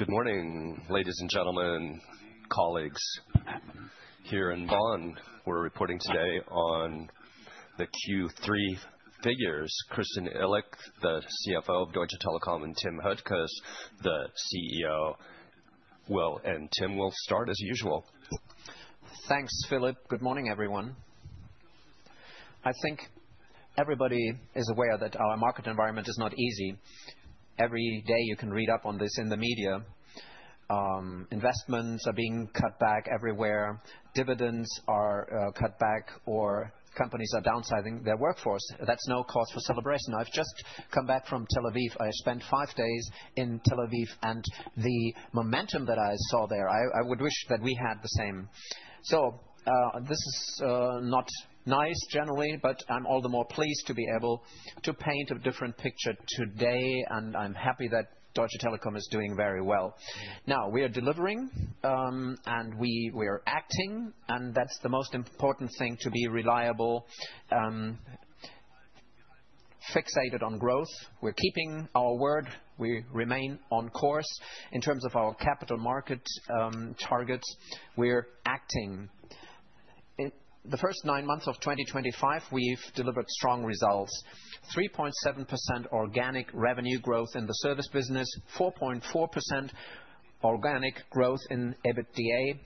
Good morning, ladies and gentlemen, colleagues here in Bonn. We're reporting today on the Q3 figures: Christian Illek, the CFO of Deutsche Telekom, and Tim Höttges, the CEO. Tim will start as usual. Thanks, Philipp. Good morning, everyone. I think everybody is aware that our market environment is not easy. Every day you can read up on this in the media. Investments are being cut back everywhere. Dividends are cut back, or companies are downsizing their workforce. That is no cause for celebration. I have just come back from Tel Aviv. I spent five days in Tel Aviv, and the momentum that I saw there, I would wish that we had the same. This is not nice, generally, but I am all the more pleased to be able to paint a different picture today, and I am happy that Deutsche Telekom is doing very well. Now, we are delivering, and we are acting, and that is the most important thing: to be reliable, fixated on growth. We are keeping our word. We remain on course. In terms of our capital market targets, we are acting. In the first nine months of 2025, we've delivered strong results: 3.7% organic revenue growth in the service business, 4.4% organic growth in EBITDA,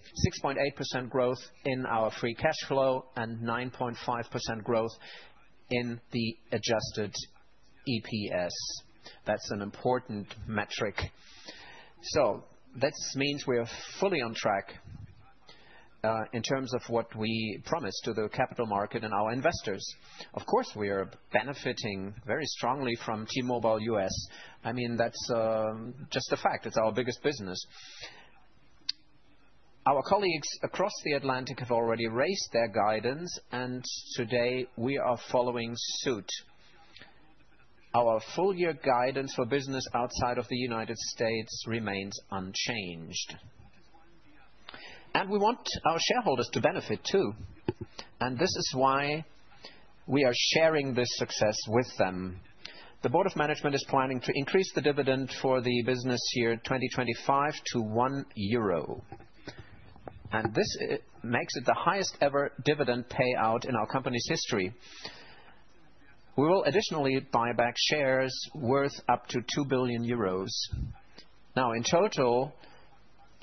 6.8% growth in our free cash flow, and 9.5% growth in the adjusted EPS. That's an important metric. That means we are fully on track in terms of what we promised to the capital market and our investors. Of course, we are benefiting very strongly from T-Mobile US. I mean, that's just a fact. It's our biggest business. Our colleagues across the Atlantic have already raised their guidance, and today we are following suit. Our full-year guidance for business outside of the United States remains unchanged. We want our shareholders to benefit, too. This is why we are sharing this success with them. The Board of Management is planning to increase the dividend for the business year 2025 to 1 euro. This makes it the highest-ever dividend payout in our company's history. We will additionally buy back shares worth up to 2 billion euros. In total,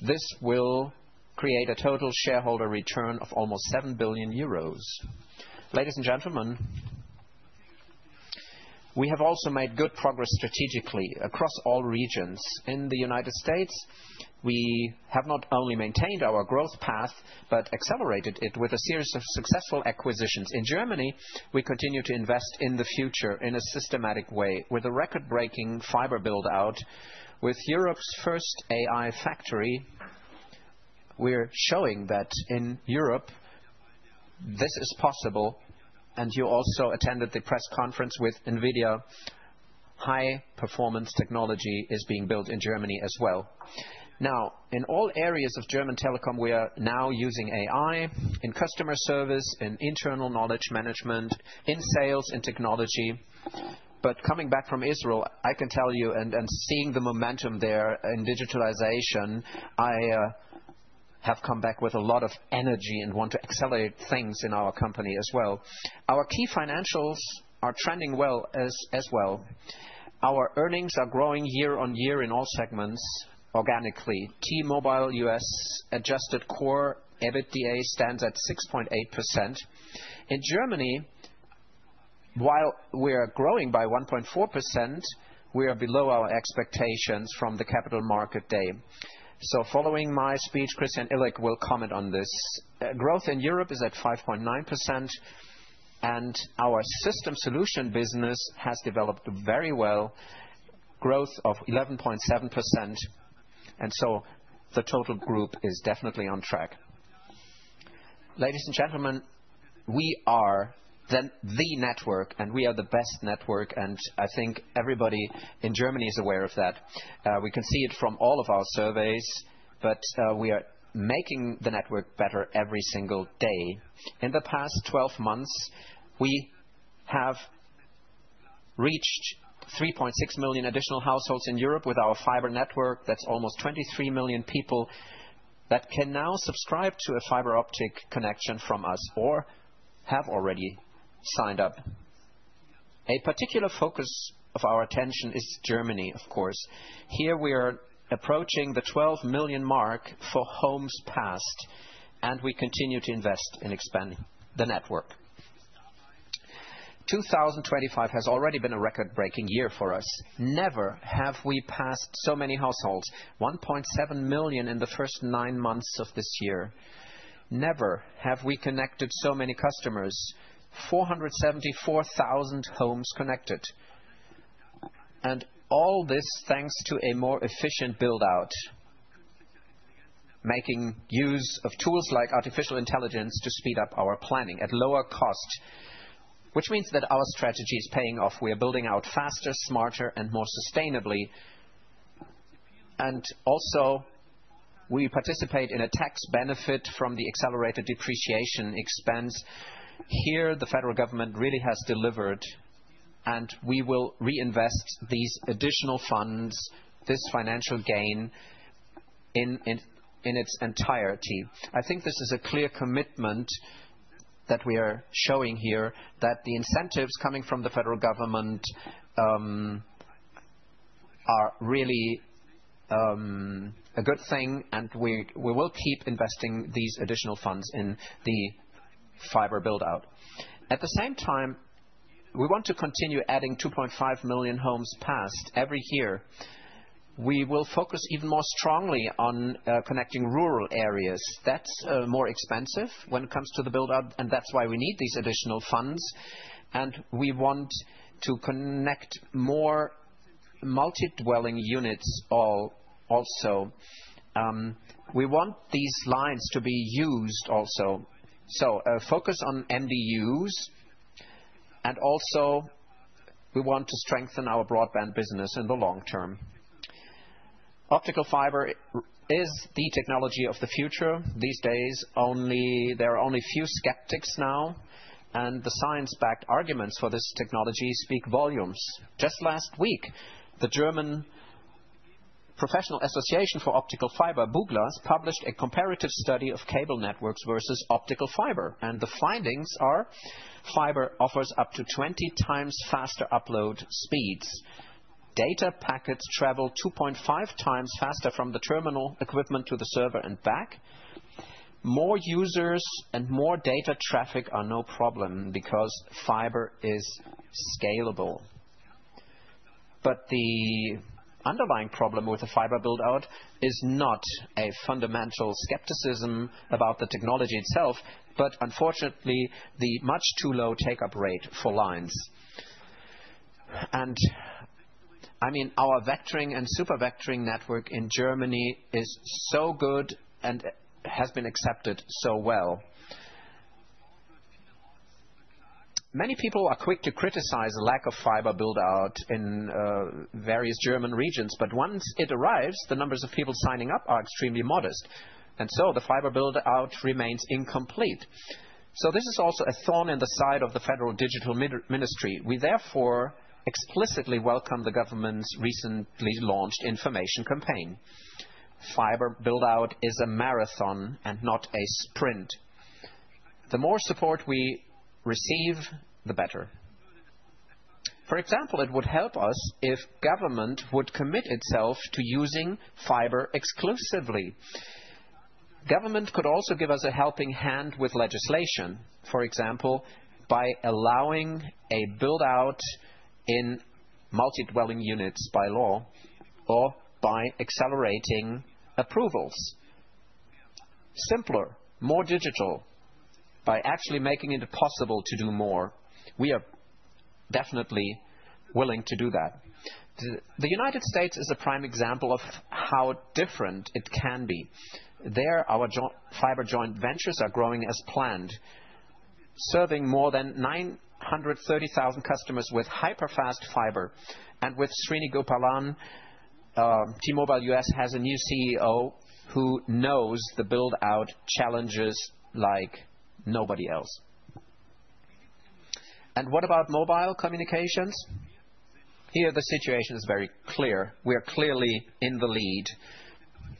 this will create a total shareholder return of almost 7 billion euros. Ladies and gentlemen, we have also made good progress strategically across all regions. In the United States, we have not only maintained our growth path but accelerated it with a series of successful acquisitions. In Germany, we continue to invest in the future in a systematic way with a record-breaking fiber build-out, with Europe's first AI factory. We are showing that in Europe this is possible. You also attended the press conference with Nvidia. High-performance technology is being built in Germany as well. In all areas of Deutsche Telekom, we are now using AI in customer service, in internal knowledge management, in sales, in technology. Coming back from Israel, I can tell you, and seeing the momentum there in digitalization, I have come back with a lot of energy and want to accelerate things in our company as well. Our key financials are trending well as well. Our earnings are growing year on year in all segments organically. T-Mobile US adjusted core EBITDA stands at 6.8%. In Germany, while we are growing by 1.4%, we are below our expectations from the capital market day. Following my speech, Christian Illek will comment on this. Growth in Europe is at 5.9%, and our system solution business has developed very well: growth of 11.7%. The total group is definitely on track. Ladies and gentlemen, we are the network, and we are the best network. I think everybody in Germany is aware of that. We can see it from all of our surveys, but we are making the network better every single day. In the past 12 months, we have reached 3.6 million additional households in Europe with our fiber network. That's almost 23 million people that can now subscribe to a fiber optic connection from us or have already signed up. A particular focus of our attention is Germany, of course. Here we are approaching the 12 million mark for homes passed, and we continue to invest in expanding the network. 2025 has already been a record-breaking year for us. Never have we passed so many households: 1.7 million in the first nine months of this year. Never have we connected so many customers: 474,000 homes connected. All this is thanks to a more efficient build-out, making use of tools like artificial intelligence to speed up our planning at lower cost, which means that our strategy is paying off. We are building out faster, smarter, and more sustainably. We also participate in a tax benefit from the accelerated depreciation expense. Here the federal government really has delivered, and we will reinvest these additional funds, this financial gain in its entirety. I think this is a clear commitment that we are showing here, that the incentives coming from the federal government are really a good thing, and we will keep investing these additional funds in the fiber build-out. At the same time, we want to continue adding 2.5 million homes passed every year. We will focus even more strongly on connecting rural areas. That's more expensive when it comes to the build-out, and that's why we need these additional funds. We want to connect more multi-dwelling units also. We want these lines to be used also. Focus on MDUs, and also we want to strengthen our broadband business in the long term. Optical fiber is the technology of the future. These days, there are only few skeptics now, and the science-backed arguments for this technology speak volumes. Just last week, the German Professional Association for Optical Fiber, BUGLAS, published a comparative study of cable networks versus optical fiber. The findings are: fiber offers up to 20 times faster upload speeds. Data packets travel 2.5 times faster from the terminal equipment to the server and back. More users and more data traffic are no problem because fiber is scalable. The underlying problem with the fiber build-out is not a fundamental skepticism about the technology itself, but unfortunately, the much too low take-up rate for lines. I mean, our vectoring and super-vectoring network in Germany is so good and has been accepted so well. Many people are quick to criticize the lack of fiber build-out in various German regions, but once it arrives, the numbers of people signing up are extremely modest. The fiber build-out remains incomplete. This is also a thorn in the side of the federal digital ministry. We therefore explicitly welcome the government's recently launched information campaign. Fiber build-out is a marathon and not a sprint. The more support we receive, the better. For example, it would help us if government would commit itself to using fiber exclusively. Government could also give us a helping hand with legislation, for example, by allowing a build-out in multi-dwelling units by law or by accelerating approvals. Simpler, more digital, by actually making it possible to do more. We are definitely willing to do that. The United States is a prime example of how different it can be. There, our fiber joint ventures are growing as planned, serving more than 930,000 customers with hyper-fast fiber. With Srini Gopalan, T-Mobile US has a new CEO who knows the build-out challenges like nobody else. What about mobile communications? Here the situation is very clear. We are clearly in the lead,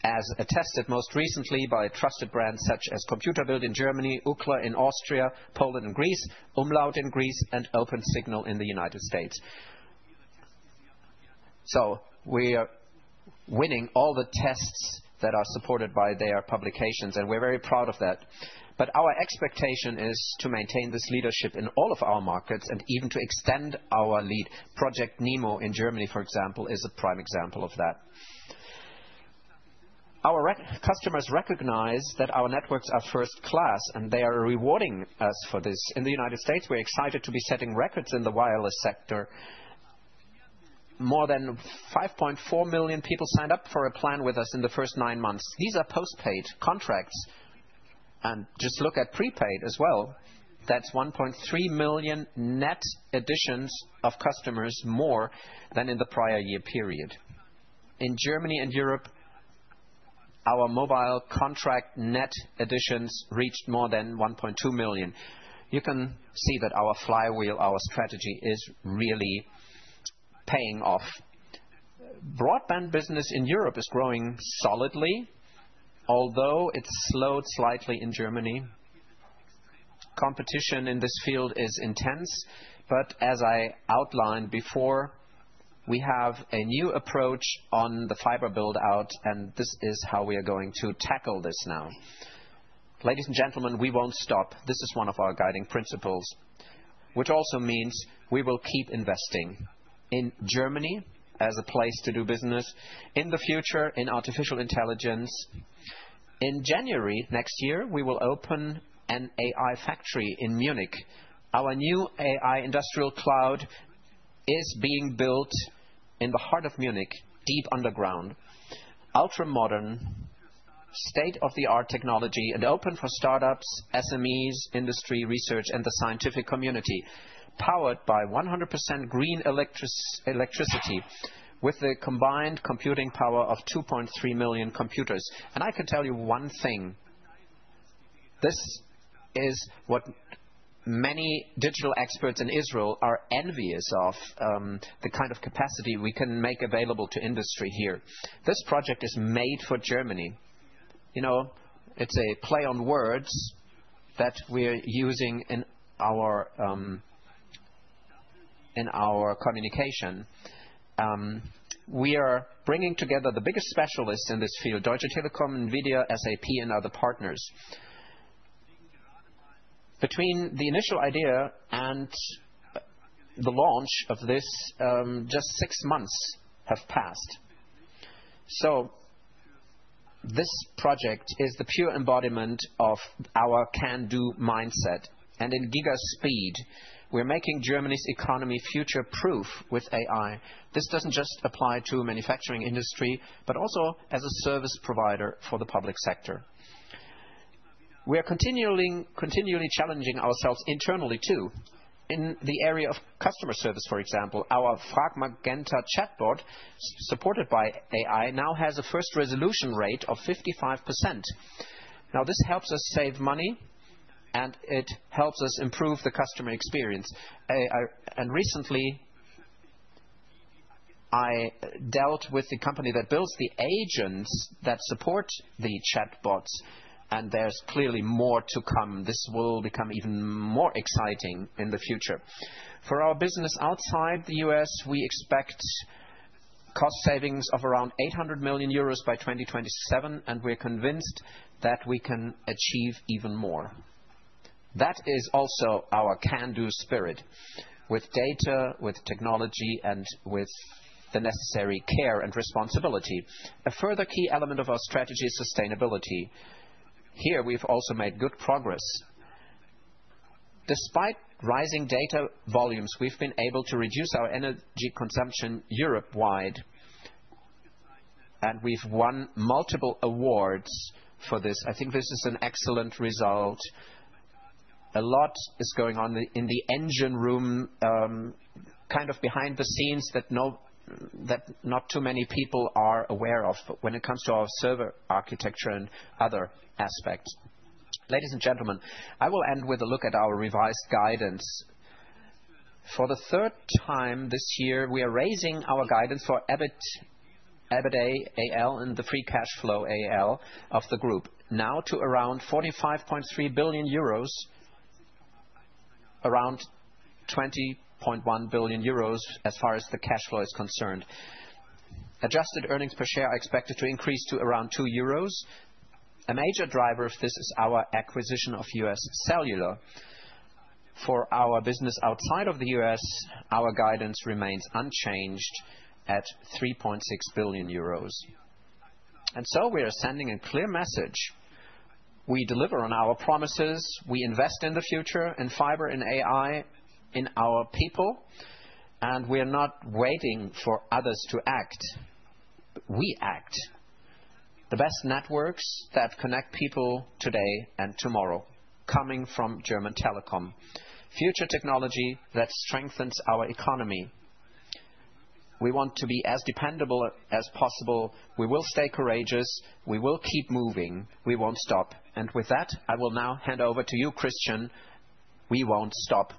as attested most recently by trusted brands such as Computer Bild in Germany, UCLA in Austria, Poland and Greece, Umlaut in Greece, and Open Signal in the United States. We are winning all the tests that are supported by their publications, and we're very proud of that. Our expectation is to maintain this leadership in all of our markets and even to extend our lead. Project NEMO in Germany, for example, is a prime example of that. Our customers recognize that our networks are first class, and they are rewarding us for this. In the United States, we're excited to be setting records in the wireless sector. More than 5.4 million people signed up for a plan with us in the first nine months. These are postpaid contracts. Just look at prepaid as well. That's 1.3 million net additions of customers more than in the prior year period. In Germany and Europe, our mobile contract net additions reached more than 1.2 million. You can see that our flywheel, our strategy, is really paying off. Broadband business in Europe is growing solidly, although it's slowed slightly in Germany. Competition in this field is intense. As I outlined before, we have a new approach on the fiber build-out, and this is how we are going to tackle this now. Ladies and gentlemen, we won't stop. This is one of our guiding principles, which also means we will keep investing in Germany as a place to do business, in the future, in artificial intelligence. In January next year, we will open an AI factory in Munich. Our new AI industrial cloud is being built in the heart of Munich, deep underground. Ultra-modern, state-of-the-art technology and open for startups, SMEs, industry, research, and the scientific community, powered by 100% green electricity with the combined computing power of 2.3 million computers. I can tell you one thing: this is what many digital experts in Israel are envious of, the kind of capacity we can make available to industry here. This project is made for Germany. You know, it's a play on words that we're using in our communication. We are bringing together the biggest specialists in this field: Deutsche Telekom, Nvidia, SAP, and other partners. Between the initial idea and the launch of this, just six months have passed. This project is the pure embodiment of our can-do mindset. In giga speed, we're making Germany's economy future-proof with AI. This doesn't just apply to manufacturing industry, but also as a service provider for the public sector. We are continually challenging ourselves internally, too. In the area of customer service, for example, our FragmentGenta chatbot, supported by AI, now has a first resolution rate of 55%. Now, this helps us save money, and it helps us improve the customer experience. Recently, I dealt with the company that builds the agents that support the chatbots, and there is clearly more to come. This will become even more exciting in the future. For our business outside the US, we expect cost savings of around 800 million euros by 2027, and we are convinced that we can achieve even more. That is also our can-do spirit, with data, with technology, and with the necessary care and responsibility. A further key element of our strategy is sustainability. Here, we have also made good progress. Despite rising data volumes, we have been able to reduce our energy consumption Europe-wide, and we have won multiple awards for this. I think this is an excellent result. A lot is going on in the engine room, kind of behind the scenes that not too many people are aware of when it comes to our server architecture and other aspects. Ladies and gentlemen, I will end with a look at our revised guidance. For the third time this year, we are raising our guidance for EBITDA AL and the free cash flow AL of the group now to around 45.3 billion euros, around 20.1 billion euros as far as the cash flow is concerned. Adjusted earnings per share are expected to increase to around 2 euros. A major driver of this is our acquisition of US Cellular. For our business outside of the U.S., our guidance remains unchanged at 3.6 billion euros. We are sending a clear message. We deliver on our promises. We invest in the future, in fiber, in AI, in our people, and we are not waiting for others to act. We act. The best networks that connect people today and tomorrow, coming from Deutsche Telekom. Future technology that strengthens our economy. We want to be as dependable as possible. We will stay courageous. We will keep moving. We won't stop. With that, I will now hand over to you, Christian. We won't stop.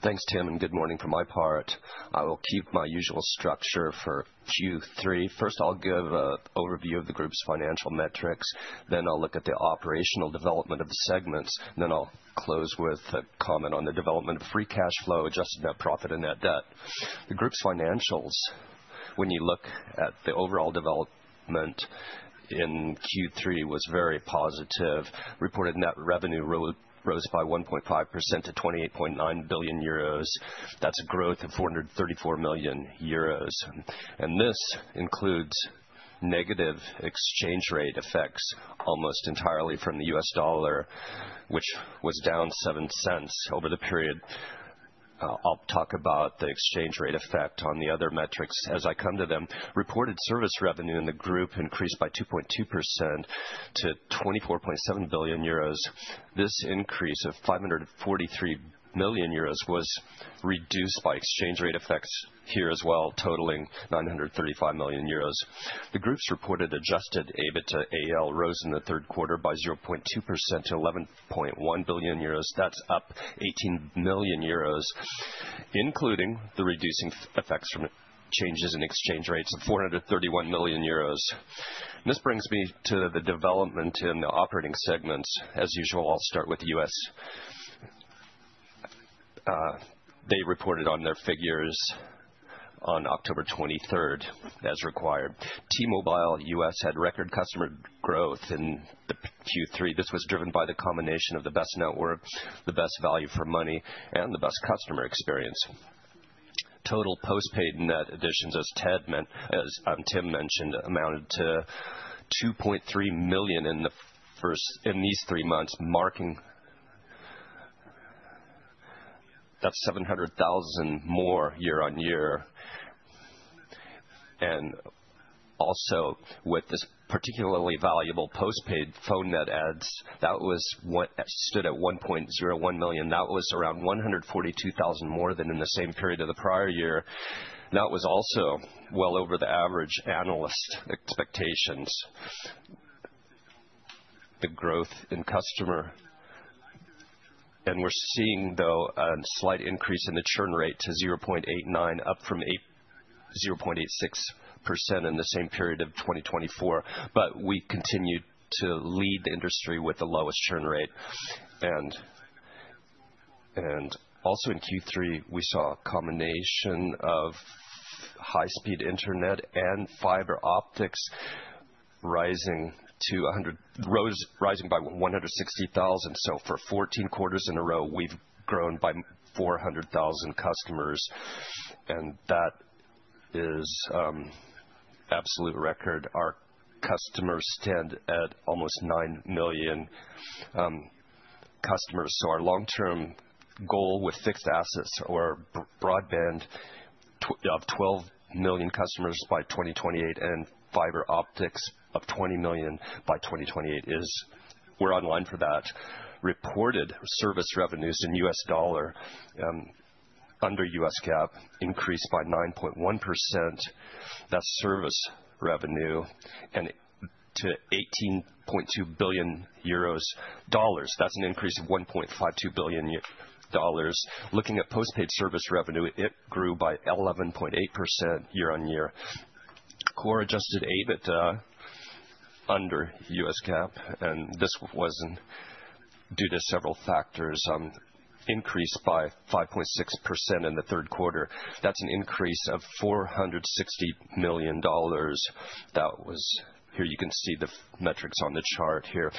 Thanks, Tim, and good morning from my part. I will keep my usual structure for Q3. First, I'll give an overview of the group's financial metrics. Then I'll look at the operational development of the segments. Then I'll close with a comment on the development of free cash flow, adjusted net profit, and net debt. The group's financials, when you look at the overall development in Q3, were very positive. Reported net revenue rose by 1.5% to 28.9 billion euros. That is a growth of 434 million euros. This includes negative exchange rate effects almost entirely from the US dollar, which was down $0.07 over the period. I will talk about the exchange rate effect on the other metrics as I come to them. Reported service revenue in the group increased by 2.2% to 24.7 billion euros. This increase of 543 million euros was reduced by exchange rate effects here as well, totaling 935 million euros. The group's reported adjusted EBITDA AL rose in the third quarter by 0.2% to 11.1 billion euros. That is up 18 million euros, including the reducing effects from changes in exchange rates of 431 million euros. This brings me to the development in the operating segments. As usual, I will start with the US. They reported on their figures on October 23 as required. T-Mobile US had record customer growth in Q3. This was driven by the combination of the best net worth, the best value for money, and the best customer experience. Total postpaid net additions, as Tim mentioned, amounted to 2.3 million in these three months, marking that's 700,000 more year on year. Also, with this particularly valuable postpaid phone net adds, that stood at 1.01 million. That was around 142,000 more than in the same period of the prior year. That was also well over the average analyst expectations. The growth in customer. We are seeing, though, a slight increase in the churn rate to 0.89%, up from 0.86% in the same period of 2024. We continue to lead the industry with the lowest churn rate. Also in Q3, we saw a combination of high-speed internet and fiber optics rising by 160,000. For 14 quarters in a row, we've grown by 400,000 customers. That is an absolute record. Our customers stand at almost 9 million customers. Our long-term goal with fixed assets or broadband of 12 million customers by 2028 and fiber optics of 20 million by 2028 is we're online for that. Reported service revenues in US dollar under US cap increased by 9.1%. That's service revenue to EUR 18.2 billion. That's an increase of $1.52 billion. Looking at postpaid service revenue, it grew by 11.8% year on year. Core adjusted EBITDA under US cap, and this was due to several factors, increased by 5.6% in the third quarter. That's an increase of $460 million. Here you can see the metrics on the chart here.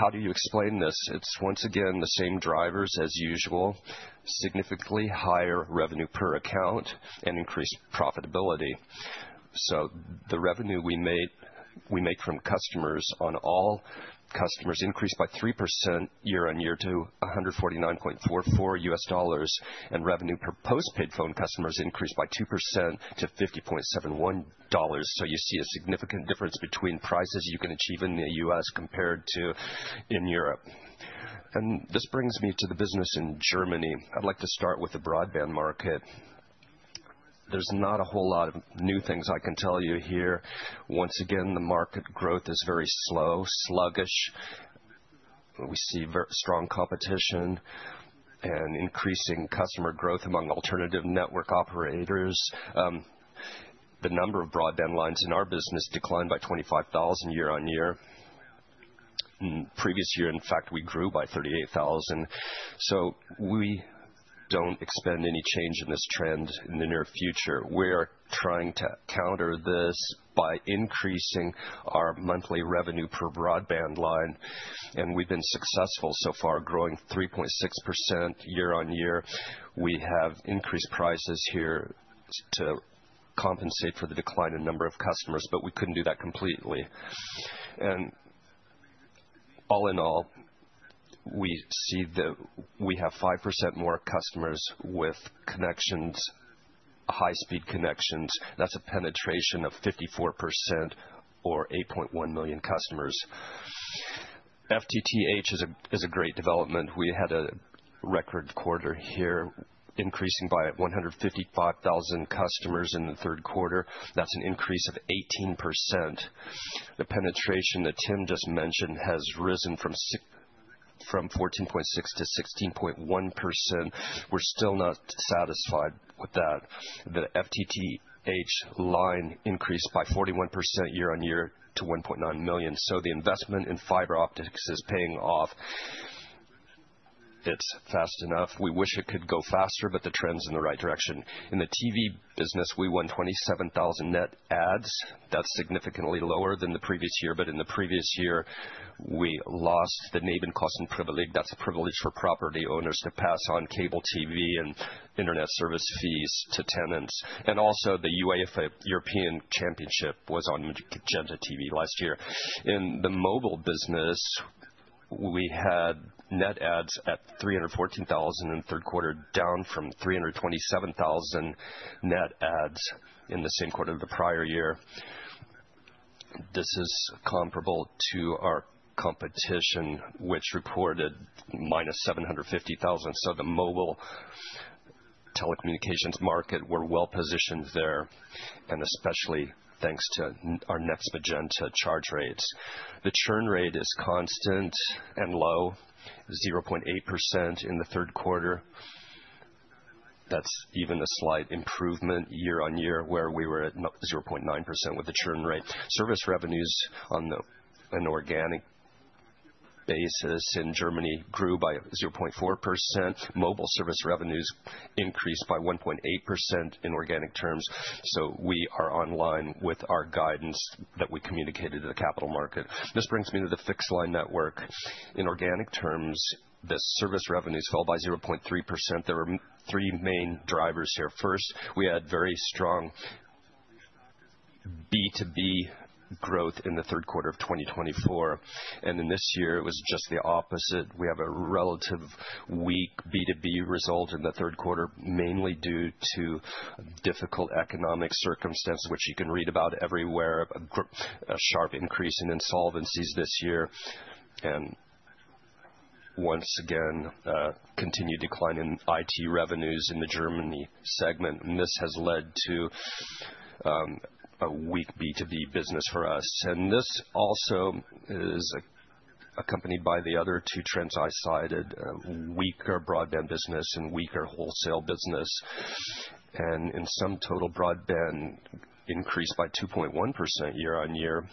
How do you explain this? It's once again the same drivers as usual. Significantly higher revenue per account and increased profitability. The revenue we make from customers on all customers increased by 3% year on year to $149.44. Revenue per postpaid phone customers increased by 2% to $50.71. You see a significant difference between prices you can achieve in the U.S. compared to in Europe. This brings me to the business in Germany. I'd like to start with the broadband market. There's not a whole lot of new things I can tell you here. Once again, the market growth is very slow, sluggish. We see strong competition and increasing customer growth among alternative network operators. The number of broadband lines in our business declined by 25,000 year on year. Previous year, in fact, we grew by 38,000. We don't expect any change in this trend in the near future. We are trying to counter this by increasing our monthly revenue per broadband line. We have been successful so far, growing 3.6% year on year. We have increased prices here to compensate for the decline in number of customers, but we could not do that completely. All in all, we see that we have 5% more customers with connections, high-speed connections. That is a penetration of 54% or 8.1 million customers. FTTH is a great development. We had a record quarter here, increasing by 155,000 customers in the third quarter. That is an increase of 18%. The penetration that Tim just mentioned has risen from 14.6% to 16.1%. We are still not satisfied with that. The FTTH line increased by 41% year on year to 1.9 million. The investment in fiber optics is paying off. It is fast enough. We wish it could go faster, but the trend is in the right direction. In the TV business, we won 27,000 net adds. That's significantly lower than the previous year. In the previous year, we lost the Nebenkosten privilege. That's a privilege for property owners to pass on cable TV and internet service fees to tenants. Also, the UEFA European Championship was on Magenta TV last year. In the mobile business, we had net adds at 314,000 in the third quarter, down from 327,000 net adds in the same quarter of the prior year. This is comparable to our competition, which reported minus 750,000. The mobile telecommunications market, we're well positioned there, and especially thanks to our next Magenta charge rates. The churn rate is constant and low, 0.8% in the third quarter. That's even a slight improvement year on year, where we were at 0.9% with the churn rate. Service revenues on an organic basis in Germany grew by 0.4%. Mobile service revenues increased by 1.8% in organic terms. We are online with our guidance that we communicated to the capital market. This brings me to the fixed line network. In organic terms, the service revenues fell by 0.3%. There are three main drivers here. First, we had very strong B2B growth in the third quarter of 2024. In this year, it was just the opposite. We have a relatively weak B2B result in the third quarter, mainly due to difficult economic circumstances, which you can read about everywhere. A sharp increase in insolvencies this year. Once again, continued decline in IT revenues in the Germany segment. This has led to a weak B2B business for us. This also is accompanied by the other two trends I cited: weaker broadband business and weaker wholesale business. In sum total, broadband increased by 2.1% year on year.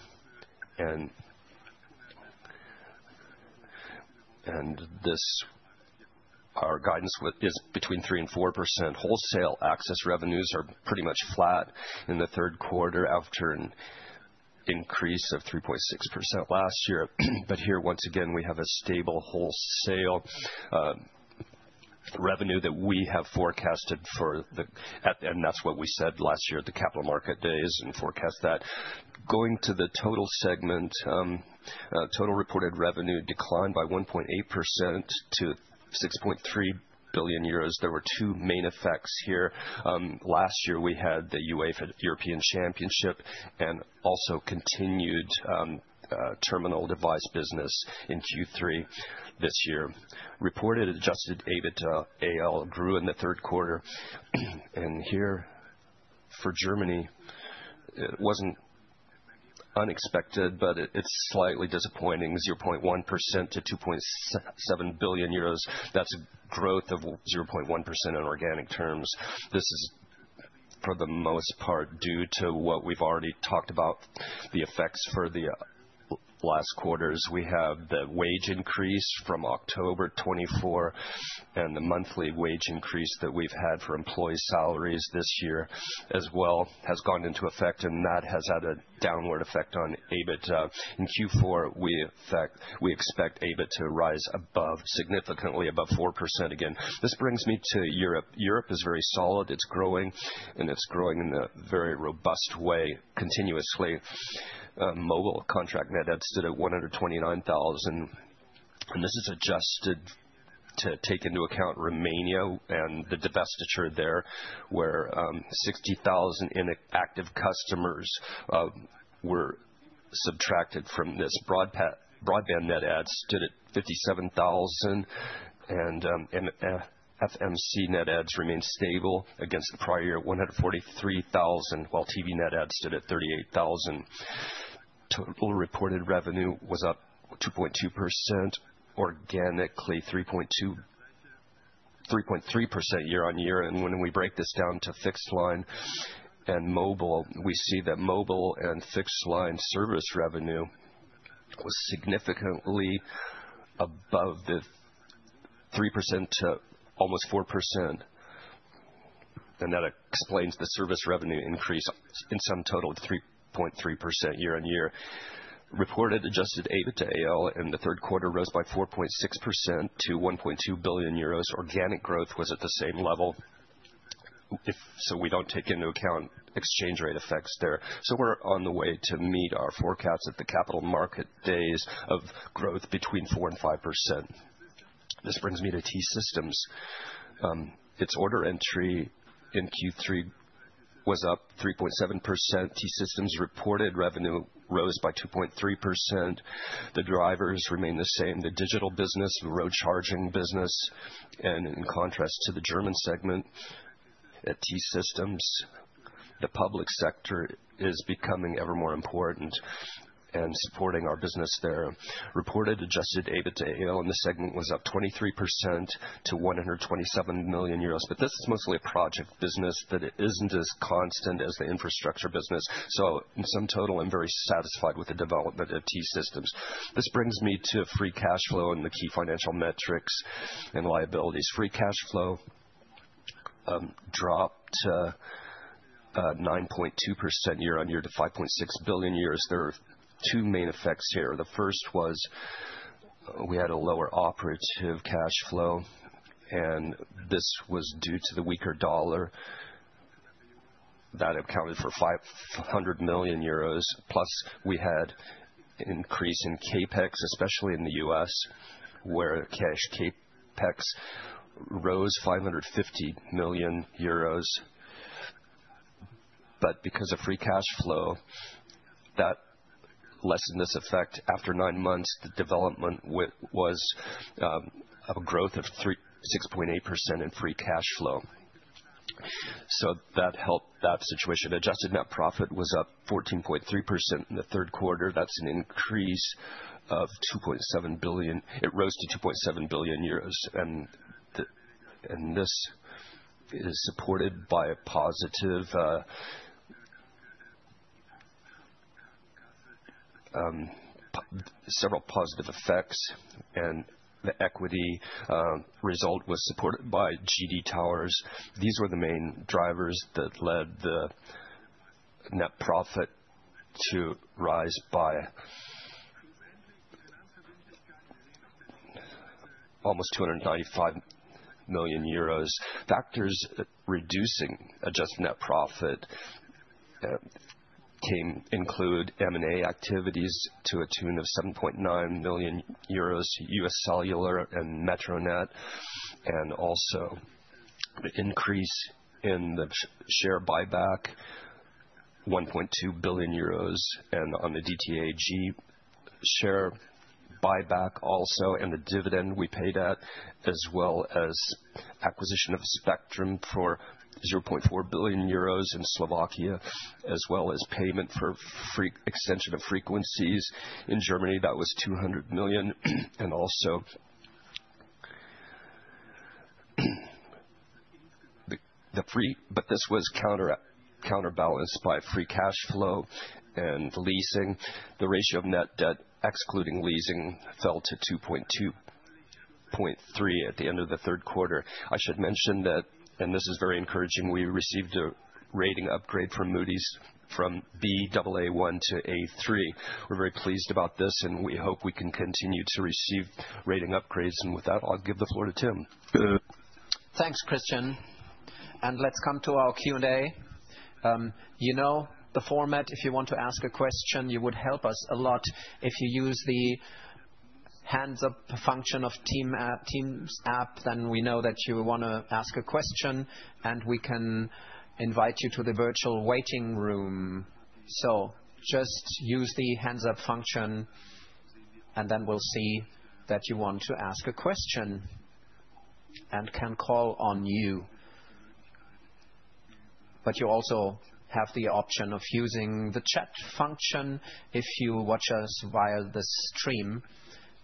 Our guidance is between 3-4%. Wholesale access revenues are pretty much flat in the third quarter after an increase of 3.6% last year. Here, once again, we have a stable wholesale revenue that we have forecasted for the—and that is what we said last year at the Capital Market Days and forecast that. Going to the total segment, total reported revenue declined by 1.8% to 6.3 billion euros. There were two main effects here. Last year, we had the UEFA European Championship and also continued terminal device business in Q3 this year. Reported adjusted EBITDA AL grew in the third quarter. Here for Germany, it was not unexpected, but it is slightly disappointing: 0.1% to 2.7 billion euros. That's a growth of 0.1% in organic terms. This is, for the most part, due to what we've already talked about, the effects for the last quarters. We have the wage increase from October 2024, and the monthly wage increase that we've had for employee salaries this year as well has gone into effect, and that has had a downward effect on EBITDA. In Q4, we expect EBITDA to rise significantly above 4% again. This brings me to Europe. Europe is very solid. It's growing, and it's growing in a very robust way, continuously. Mobile contract net adds stood at 129,000. This is adjusted to take into account Romania and the divestiture there, where 60,000 active customers were subtracted from this. Broadband net adds stood at 57,000. FMC net adds remained stable against the prior year at 143,000, while TV net adds stood at 38,000. Total reported revenue was up 2.2%, organically 3.3% year on year. When we break this down to fixed line and mobile, we see that mobile and fixed line service revenue was significantly above the 3% to almost 4%. That explains the service revenue increase in some total of 3.3% year on year. Reported adjusted EBITDA AL in the third quarter rose by 4.6% to 1.2 billion euros. Organic growth was at the same level. We do not take into account exchange rate effects there. We are on the way to meet our forecasts at the Capital Market Days of growth between 4-5%. This brings me to T-Systems. Its order entry in Q3 was up 3.7%. T-Systems reported revenue rose by 2.3%. The drivers remain the same: the digital business, the road charging business. In contrast to the German segment at T-Systems, the public sector is becoming ever more important and supporting our business there. Reported adjusted EBITDA AL in the segment was up 23% to 127 million euros. This is mostly a project business that is not as constant as the infrastructure business. In sum total, I am very satisfied with the development of T-Systems. This brings me to free cash flow and the key financial metrics and liabilities. Free cash flow dropped 9.2% year on year to 5.6 billion. There are two main effects here. The first was we had a lower operative cash flow, and this was due to the weaker dollar that accounted for 500 million euros. Plus, we had an increase in CapEx, especially in the US, where cash CapEx rose EUR 550 million. Because of free cash flow, that lessened this effect. After nine months, the development was a growth of 6.8% in free cash flow. That helped that situation. Adjusted net profit was up 14.3% in the third quarter. That is an increase of 2.7 billion. It rose to 2.7 billion euros. This is supported by several positive effects. The equity result was supported by GD Towers. These were the main drivers that led the net profit to rise by almost 295 million euros. Factors reducing adjusted net profit include M&A activities to a tune of 7.9 million euros, US Cellular and Metronet, and also the increase in the share buyback, 1.2 billion euros. On the dTAG share buyback also, and the dividend we paid at, as well as acquisition of spectrum for 0.4 billion euros in Slovakia, as well as payment for extension of frequencies in Germany. That was 200 million. Also, the free but this was counterbalanced by free cash flow and leasing. The ratio of net debt, excluding leasing, fell to 2.23 at the end of the third quarter. I should mention that, and this is very encouraging, we received a rating upgrade from Moody's from Baa1 to A3. We are very pleased about this, and we hope we can continue to receive rating upgrades. With that, I'll give the floor to Tim. Thanks, Christian. Let's come to our Q&A. You know the format. If you want to ask a question, you would help us a lot if you use the hands-up function of the Teams app, then we know that you want to ask a question, and we can invite you to the virtual waiting room. Just use the hands-up function, and then we'll see that you want to ask a question and can call on you. You also have the option of using the chat function if you watch us via the stream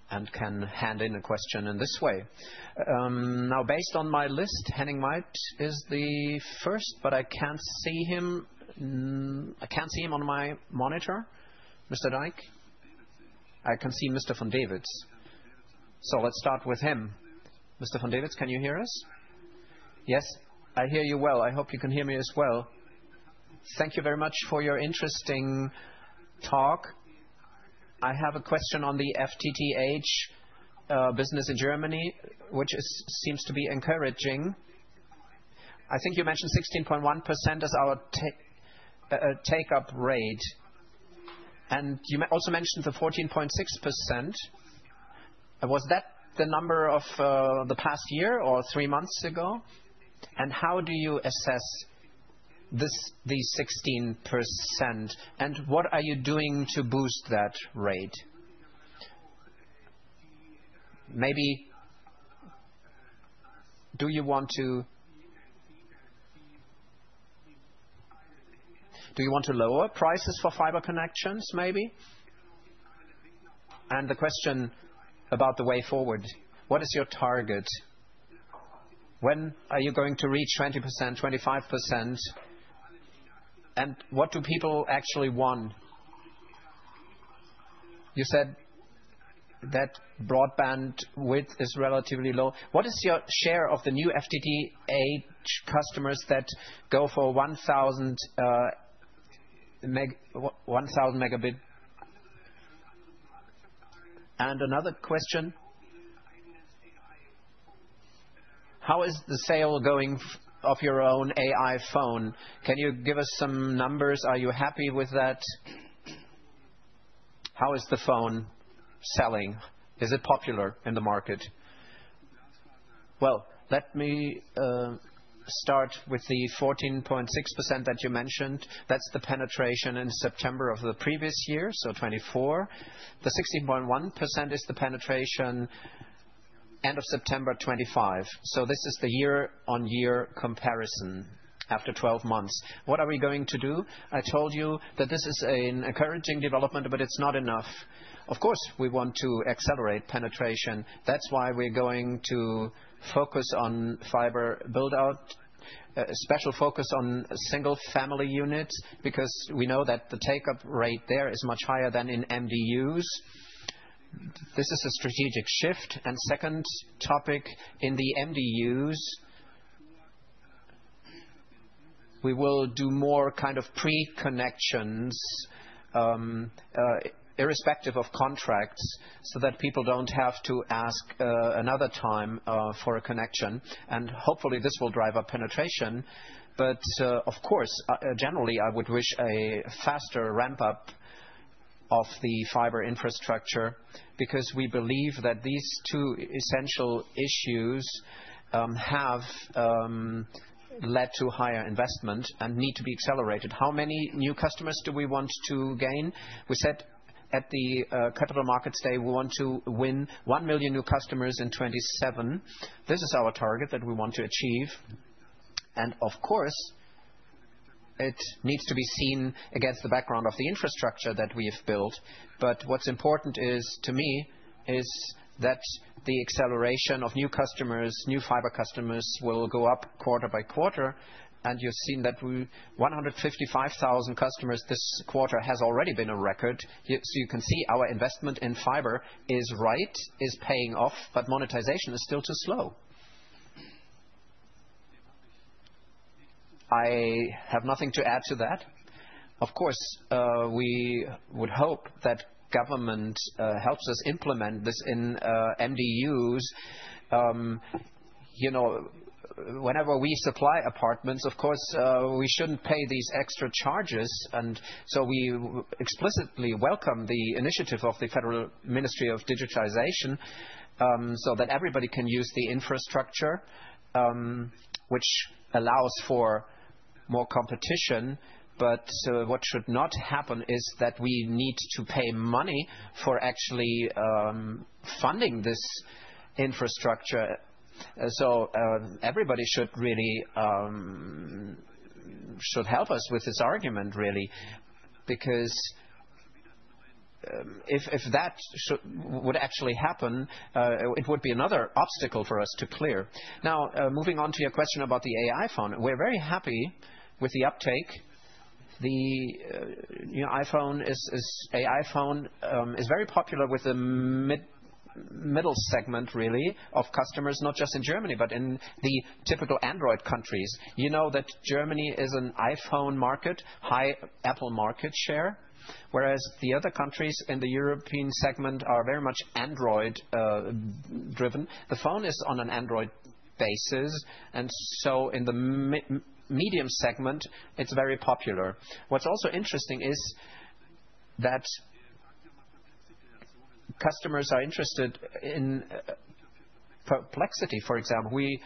and can hand in a question in this way. Now, based on my list, Henning Might is the first, but I can't see him. I can't see him on my monitor. Mr. Dyke, I can see Mr. von Davis. Let's start with him. Mr. von Davis, can you hear us? Yes, I hear you well. I hope you can hear me as well. Thank you very much for your interesting talk. I have a question on the FTTH business in Germany, which seems to be encouraging. I think you mentioned 16.1% as our take-up rate. You also mentioned the 14.6%. Was that the number of the past year or three months ago? How do you assess the 16%? What are you doing to boost that rate? Maybe do you want to lower prices for fiber connections, maybe? The question about the way forward, what is your target? When are you going to reach 20%, 25%? What do people actually want? You said that broadband width is relatively low. What is your share of the new FTTH customers that go for 1,000 megabit? Another question, how is the sale going of your own AI Phone? Can you give us some numbers? Are you happy with that? How is the phone selling? Is it popular in the market? Let me start with the 14.6% that you mentioned. That is the penetration in September of the previous year, so 2024. The 16.1% is the penetration end of September 2025. This is the year-on-year comparison after 12 months. What are we going to do? I told you that this is an encouraging development, but it's not enough. Of course, we want to accelerate penetration. That's why we're going to focus on fiber build-out, a special focus on single-family units, because we know that the take-up rate there is much higher than in MDUs. This is a strategic shift. The second topic, in the MDUs, we will do more kind of pre-connections irrespective of contracts so that people don't have to ask another time for a connection. Hopefully, this will drive up penetration. Of course, generally, I would wish a faster ramp-up of the fiber infrastructure because we believe that these two essential issues have led to higher investment and need to be accelerated. How many new customers do we want to gain? We said at the Capital Markets Day, we want to win 1 million new customers in 2027. This is our target that we want to achieve. Of course, it needs to be seen against the background of the infrastructure that we have built. What is important to me is that the acceleration of new customers, new fiber customers, will go up quarter by quarter. You have seen that 155,000 customers this quarter has already been a record. You can see our investment in fiber is right, is paying off, but monetization is still too slow. I have nothing to add to that. Of course, we would hope that government helps us implement this in MDUs. Whenever we supply apartments, we should not pay these extra charges. We explicitly welcome the initiative of the Federal Ministry of Digitization so that everybody can use the infrastructure, which allows for more competition. What should not happen is that we need to pay money for actually funding this infrastructure. Everybody should help us with this argument, really, because if that would actually happen, it would be another obstacle for us to clear. Now, moving on to your question about the AI Phone, we're very happy with the uptake. The iPhone is very popular with the middle segment, really, of customers, not just in Germany, but in the typical Android countries. You know that Germany is an iPhone market, high Apple market share, whereas the other countries in the European segment are very much Android-driven. The phone is on an Android basis. In the medium segment, it's very popular. What's also interesting is that customers are interested in Perplexity, for example. We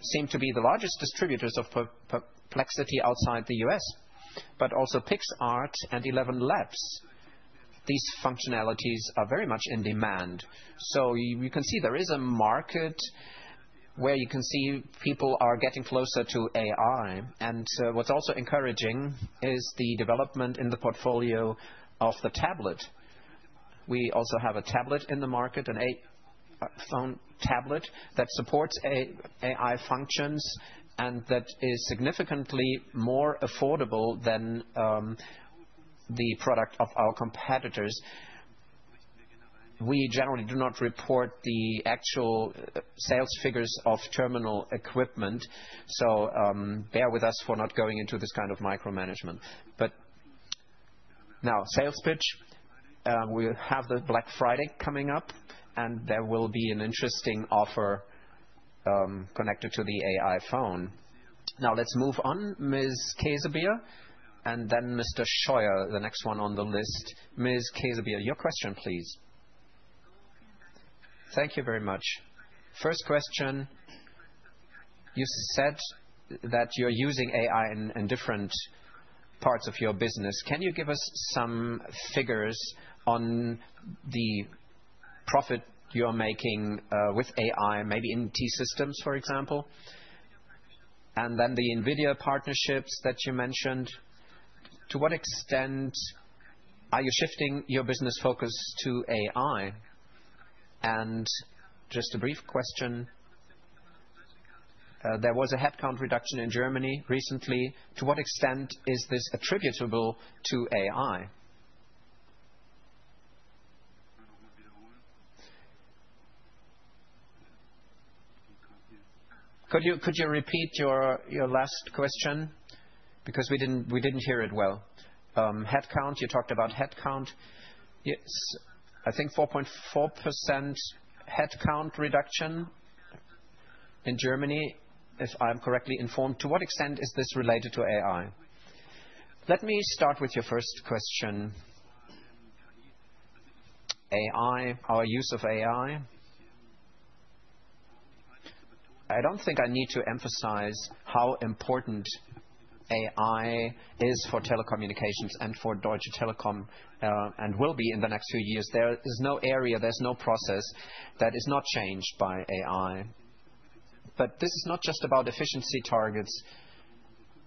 seem to be the largest distributors of Perplexity outside the US, but also PixArt and ElevenLabs. These functionalities are very much in demand. You can see there is a market where you can see people are getting closer to AI. What is also encouraging is the development in the portfolio of the tablet. We also have a tablet in the market, an AI Phone tablet that supports AI functions and that is significantly more affordable than the product of our competitors. We generally do not report the actual sales figures of terminal equipment. Bear with us for not going into this kind of micromanagement. Now, sales pitch. We have Black Friday coming up, and there will be an interesting offer connected to the AI Phone. Now, let's move on, Ms. Käsebier, and then Mr. Scheuer, the next one on the list. Ms. Käsebier, your question, please. Thank you very much. First question. You said that you're using AI in different parts of your business. Can you give us some figures on the profit you're making with AI, maybe in T-Systems, for example? To what extent are you shifting your business focus to AI? Just a brief question. There was a headcount reduction in Germany recently. To what extent is this attributable to AI? Could you repeat your last question? Because we didn't hear it well. Headcount, you talked about headcount. Yes, I think 4.4% headcount reduction in Germany, if I'm correctly informed. To what extent is this related to AI? Let me start with your first question. AI, our use of AI. I don't think I need to emphasize how important AI is for telecommunications and for Deutsche Telekom and will be in the next few years. There is no area, there's no process that is not changed by AI. This is not just about efficiency targets,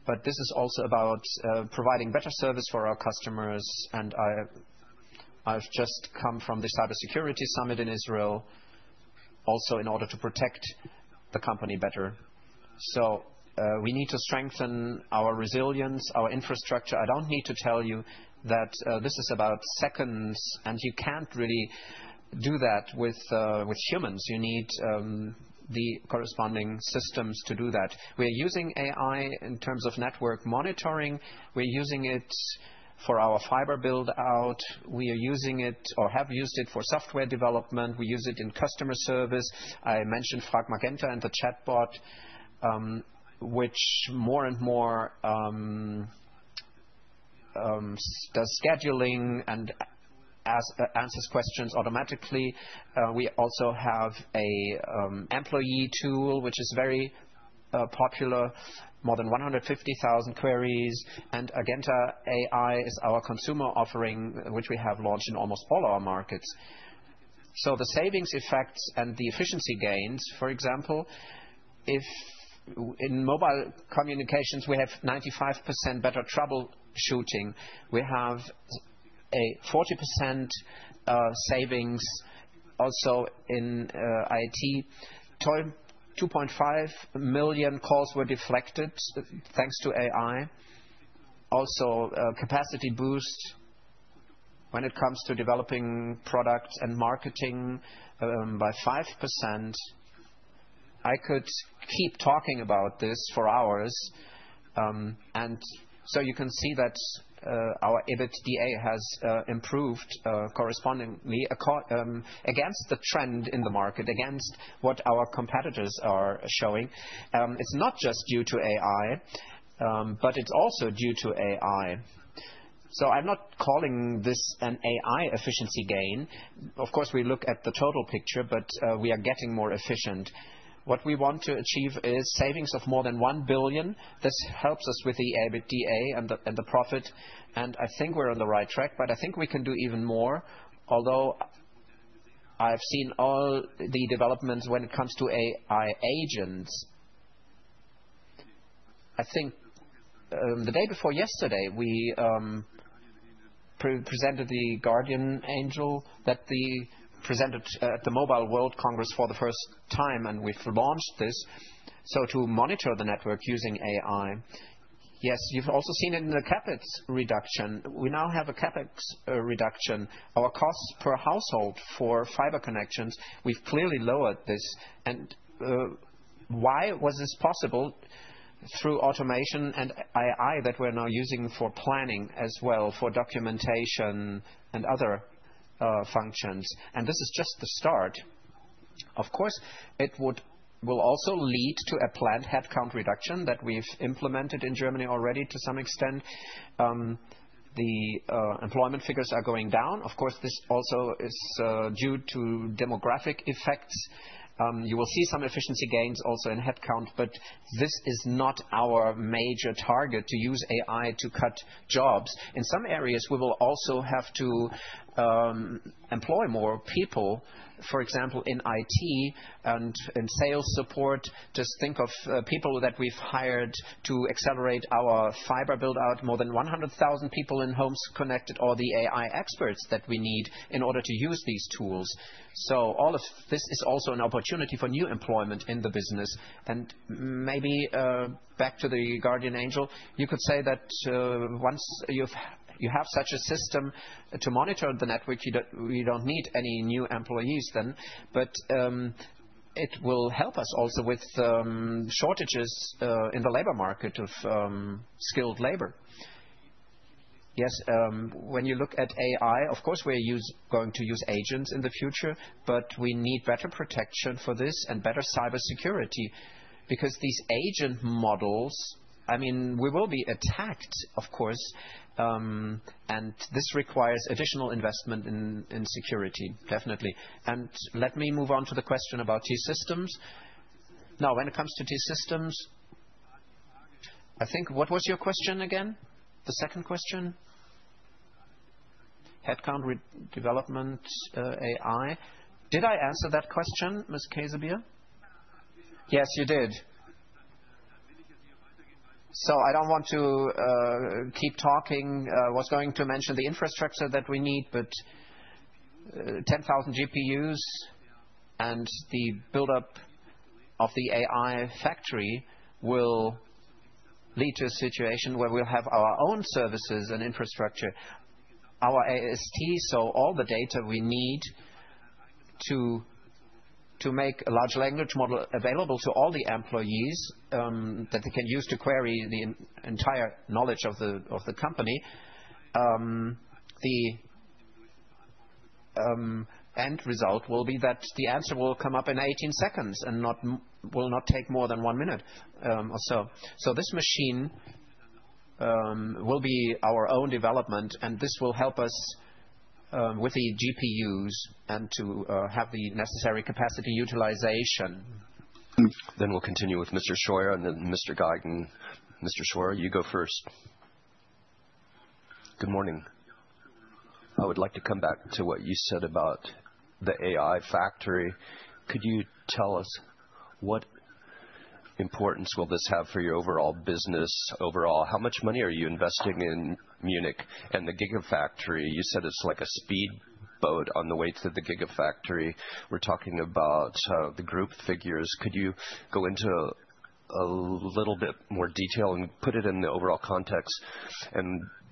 but this is also about providing better service for our customers. I have just come from the Cyber Security Summit in Israel, also in order to protect the company better. We need to strengthen our resilience, our infrastructure. I do not need to tell you that this is about seconds, and you cannot really do that with humans. You need the corresponding systems to do that. We are using AI in terms of network monitoring. We are using it for our fiber build-out. We are using it or have used it for software development. We use it in customer service. I mentioned FragmentGenta and the chatbot, which more and more does scheduling and answers questions automatically. We also have an employee tool, which is very popular, more than 150,000 queries. Agenta AI is our consumer offering, which we have launched in almost all our markets. The savings effects and the efficiency gains, for example, in mobile communications, we have 95% better troubleshooting. We have a 40% savings also in IT. 2.5 million calls were deflected thanks to AI. Also, capacity boost when it comes to developing products and marketing by 5%. I could keep talking about this for hours. You can see that our EBITDA has improved correspondingly against the trend in the market, against what our competitors are showing. It's not just due to AI, but it's also due to AI. I'm not calling this an AI efficiency gain. Of course, we look at the total picture, but we are getting more efficient. What we want to achieve is savings of more than 1 billion. This helps us with the EBITDA and the profit. I think we're on the right track, but I think we can do even more, although I've seen all the developments when it comes to AI agents. I think the day before yesterday, we presented the Guardian Angel that we presented at the Mobile World Congress for the first time, and we've launched this. To monitor the network using AI. Yes, you've also seen it in the CapEx reduction. We now have a CapEx reduction. Our costs per household for fiber connections, we've clearly lowered this. Why was this possible? Through automation and AI that we're now using for planning as well, for documentation and other functions. This is just the start. Of course, it will also lead to a planned headcount reduction that we've implemented in Germany already to some extent. The employment figures are going down. Of course, this also is due to demographic effects. You will see some efficiency gains also in headcount, but this is not our major target to use AI to cut jobs. In some areas, we will also have to employ more people, for example, in IT and in sales support. Just think of people that we've hired to accelerate our fiber build-out, more than 100,000 people in homes connected, or the AI experts that we need in order to use these tools. All of this is also an opportunity for new employment in the business. Maybe back to the Guardian Angel, you could say that once you have such a system to monitor the network, you do not need any new employees then. It will help us also with shortages in the labor market of skilled labor. Yes, when you look at AI, of course, we're going to use agents in the future, but we need better protection for this and better cybersecurity because these agent models, I mean, we will be attacked, of course. This requires additional investment in security, definitely. Let me move on to the question about T-Systems. Now, when it comes to T-Systems, I think what was your question again? The second question? Headcount development AI. Did I answer that question, Ms. Käsebier? Yes, you did. I don't want to keep talking. I was going to mention the infrastructure that we need, but 10,000 GPUs and the build-up of the AI factory will lead to a situation where we'll have our own services and infrastructure. Our AST, so all the data we need to make a large language model available to all the employees that they can use to query the entire knowledge of the company, the end result will be that the answer will come up in 18 seconds and will not take more than one minute or so. This machine will be our own development, and this will help us with the GPUs and to have the necessary capacity utilization. We will continue with Mr. Scheuer and then Mr. Guiden. Mr. Scheuer, you go first. Good morning. I would like to come back to what you said about the AI factory. Could you tell us what importance will this have for your overall business? Overall, how much money are you investing in Munich and the Gigafactory? You said it's like a speedboat on the way to the Gigafactory. We're talking about the group figures. Could you go into a little bit more detail and put it in the overall context?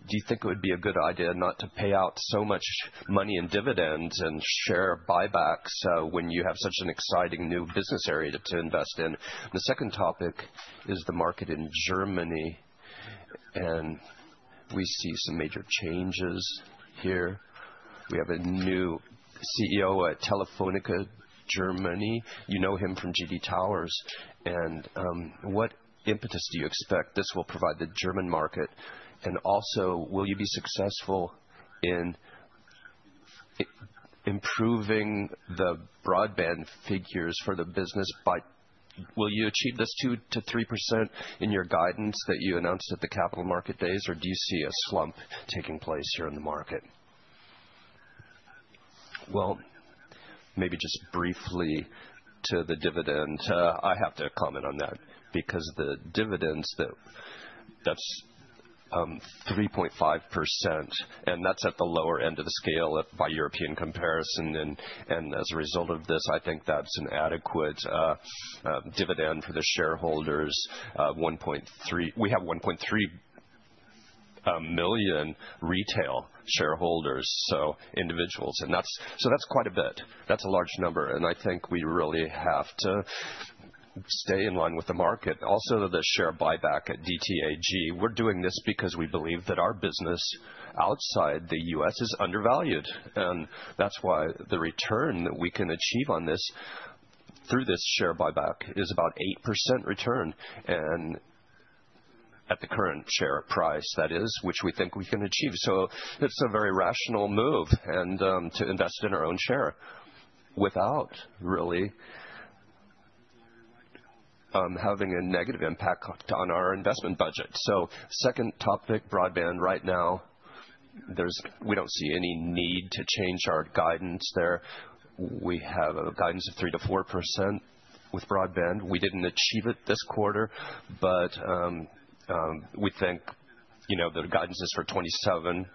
Do you think it would be a good idea not to pay out so much money in dividends and share buybacks when you have such an exciting new business area to invest in? The second topic is the market in Germany, and we see some major changes here. We have a new CEO at Telefónica Germany. You know him from GD Towers. What impetus do you expect this will provide the German market? Also, will you be successful in improving the broadband figures for the business? Will you achieve this 2-3% in your guidance that you announced at the Capital Market Days, or do you see a slump taking place here in the market? Maybe just briefly to the dividend. I have to comment on that because the dividends, that's 3.5%, and that's at the lower end of the scale by European comparison. As a result of this, I think that's an adequate dividend for the shareholders. We have 1.3 million retail shareholders, so individuals. That's quite a bit. That's a large number. I think we really have to stay in line with the market. Also, the share buyback at Deutsche Telekom. We're doing this because we believe that our business outside the US is undervalued. That's why the return that we can achieve on this through this share buyback is about 8% return at the current share price, that is, which we think we can achieve. It's a very rational move to invest in our own share without really having a negative impact on our investment budget. Second topic, broadband right now. We do not see any need to change our guidance there. We have a guidance of 3%-4% with broadband. We did not achieve it this quarter, but we think the guidance is for 2027,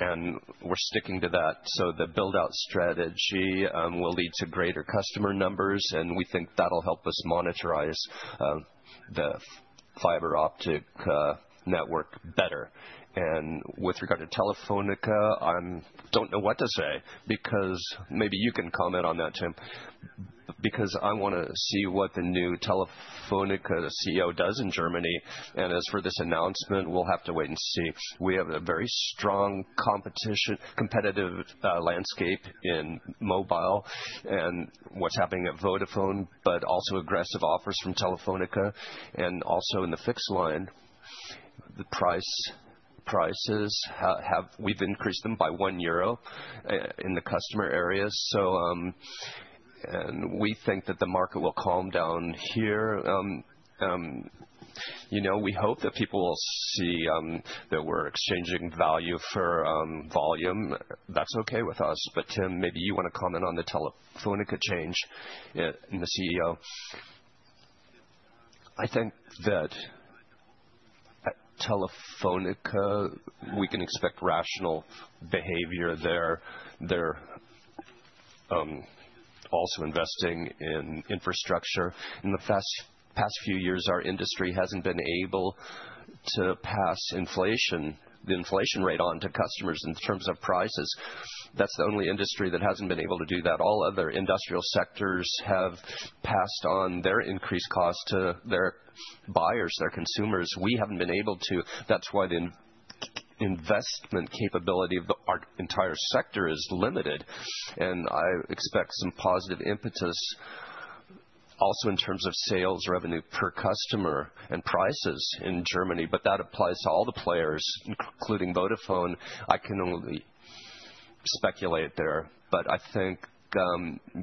and we are sticking to that. The build-out strategy will lead to greater customer numbers, and we think that will help us monitor the fiber optic network better. With regard to Telefónica, I do not know what to say because maybe you can comment on that, Tim, because I want to see what the new Telefónica CEO does in Germany. As for this announcement, we will have to wait and see. We have a very strong competitive landscape in mobile and what is happening at Vodafone, but also aggressive offers from Telefónica. Also in the fixed line, the prices have, we have increased them by 1 euro in the customer areas. We think that the market will calm down here. We hope that people will see that we're exchanging value for volume. That's okay with us. Tim, maybe you want to comment on the Telefónica change and the CEO. I think that at Telefónica, we can expect rational behavior there. They're also investing in infrastructure. In the past few years, our industry hasn't been able to pass the inflation rate on to customers in terms of prices. That's the only industry that hasn't been able to do that. All other industrial sectors have passed on their increased costs to their buyers, their consumers. We haven't been able to. That's why the investment capability of our entire sector is limited. I expect some positive impetus also in terms of sales revenue per customer and prices in Germany. That applies to all the players, including Vodafone. I can only speculate there. I think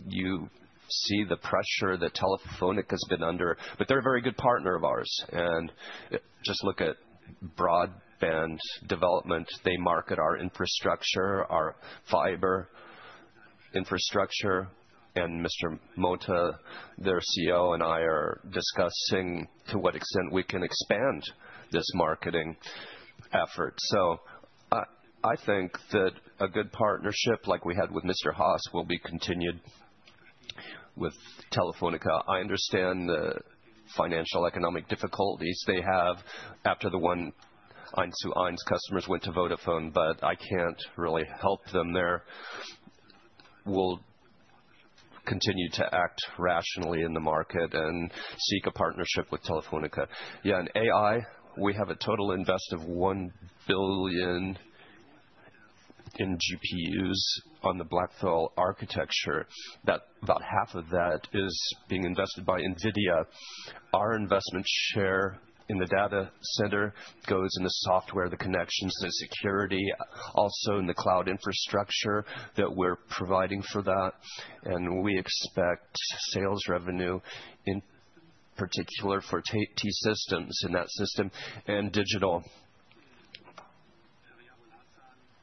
you see the pressure that Telefónica has been under. They are a very good partner of ours. Just look at broadband development. They market our infrastructure, our fiber infrastructure. Mr. Motta, their CEO, and I are discussing to what extent we can expand this marketing effort. I think that a good partnership like we had with Mr. Haas will be continued with Telefónica. I understand the financial economic difficulties they have after the one eye-to-eye customers went to Vodafone, but I cannot really help them there. We will continue to act rationally in the market and seek a partnership with Telefónica. Yeah, and AI, we have a total invest of 1 billion in GPUs on the Blackwell architecture. About half of that is being invested by Nvidia. Our investment share in the data center goes in the software, the connections, the security, also in the cloud infrastructure that we're providing for that. We expect sales revenue, in particular for T-Systems in that system and digital.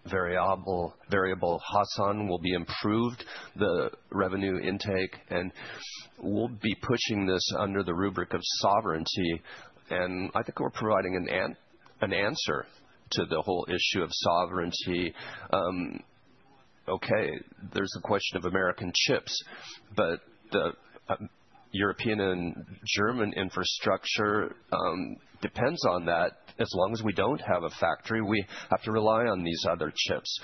Variable Hassan will be improved, the revenue intake. We will be pushing this under the rubric of sovereignty. I think we're providing an answer to the whole issue of sovereignty. There is a question of American chips, but the European and German infrastructure depends on that. As long as we do not have a factory, we have to rely on these other chips.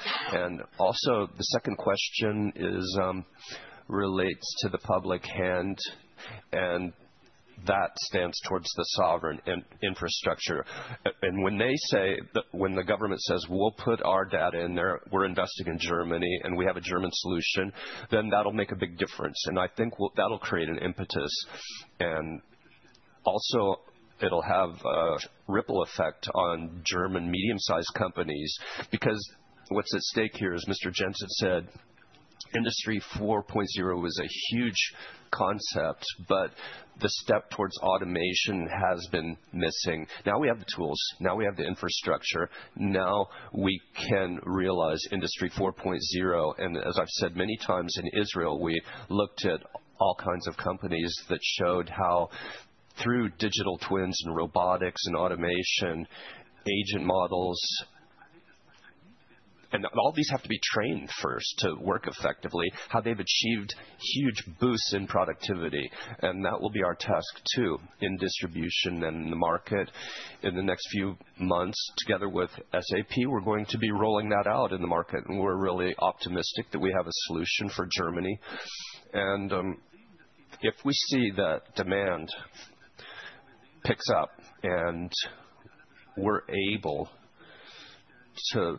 Also, the second question relates to the public hand, and that stands towards the sovereign infrastructure. When the government says, "We'll put our data in there, we're investing in Germany, and we have a German solution," that will make a big difference. I think that'll create an impetus. It will have a ripple effect on German medium-sized companies because what's at stake here is, as Mr. Jensen said, Industry 4.0 was a huge concept, but the step towards automation has been missing. Now we have the tools. Now we have the infrastructure. Now we can realize Industry 4.0. As I've said many times, in Israel we looked at all kinds of companies that showed how, through digital twins and robotics and automation, agent models, and all these have to be trained first to work effectively, how they've achieved huge boosts in productivity. That will be our task too in distribution and in the market in the next few months. Together with SAP, we're going to be rolling that out in the market. We're really optimistic that we have a solution for Germany. If we see that demand picks up and we're able to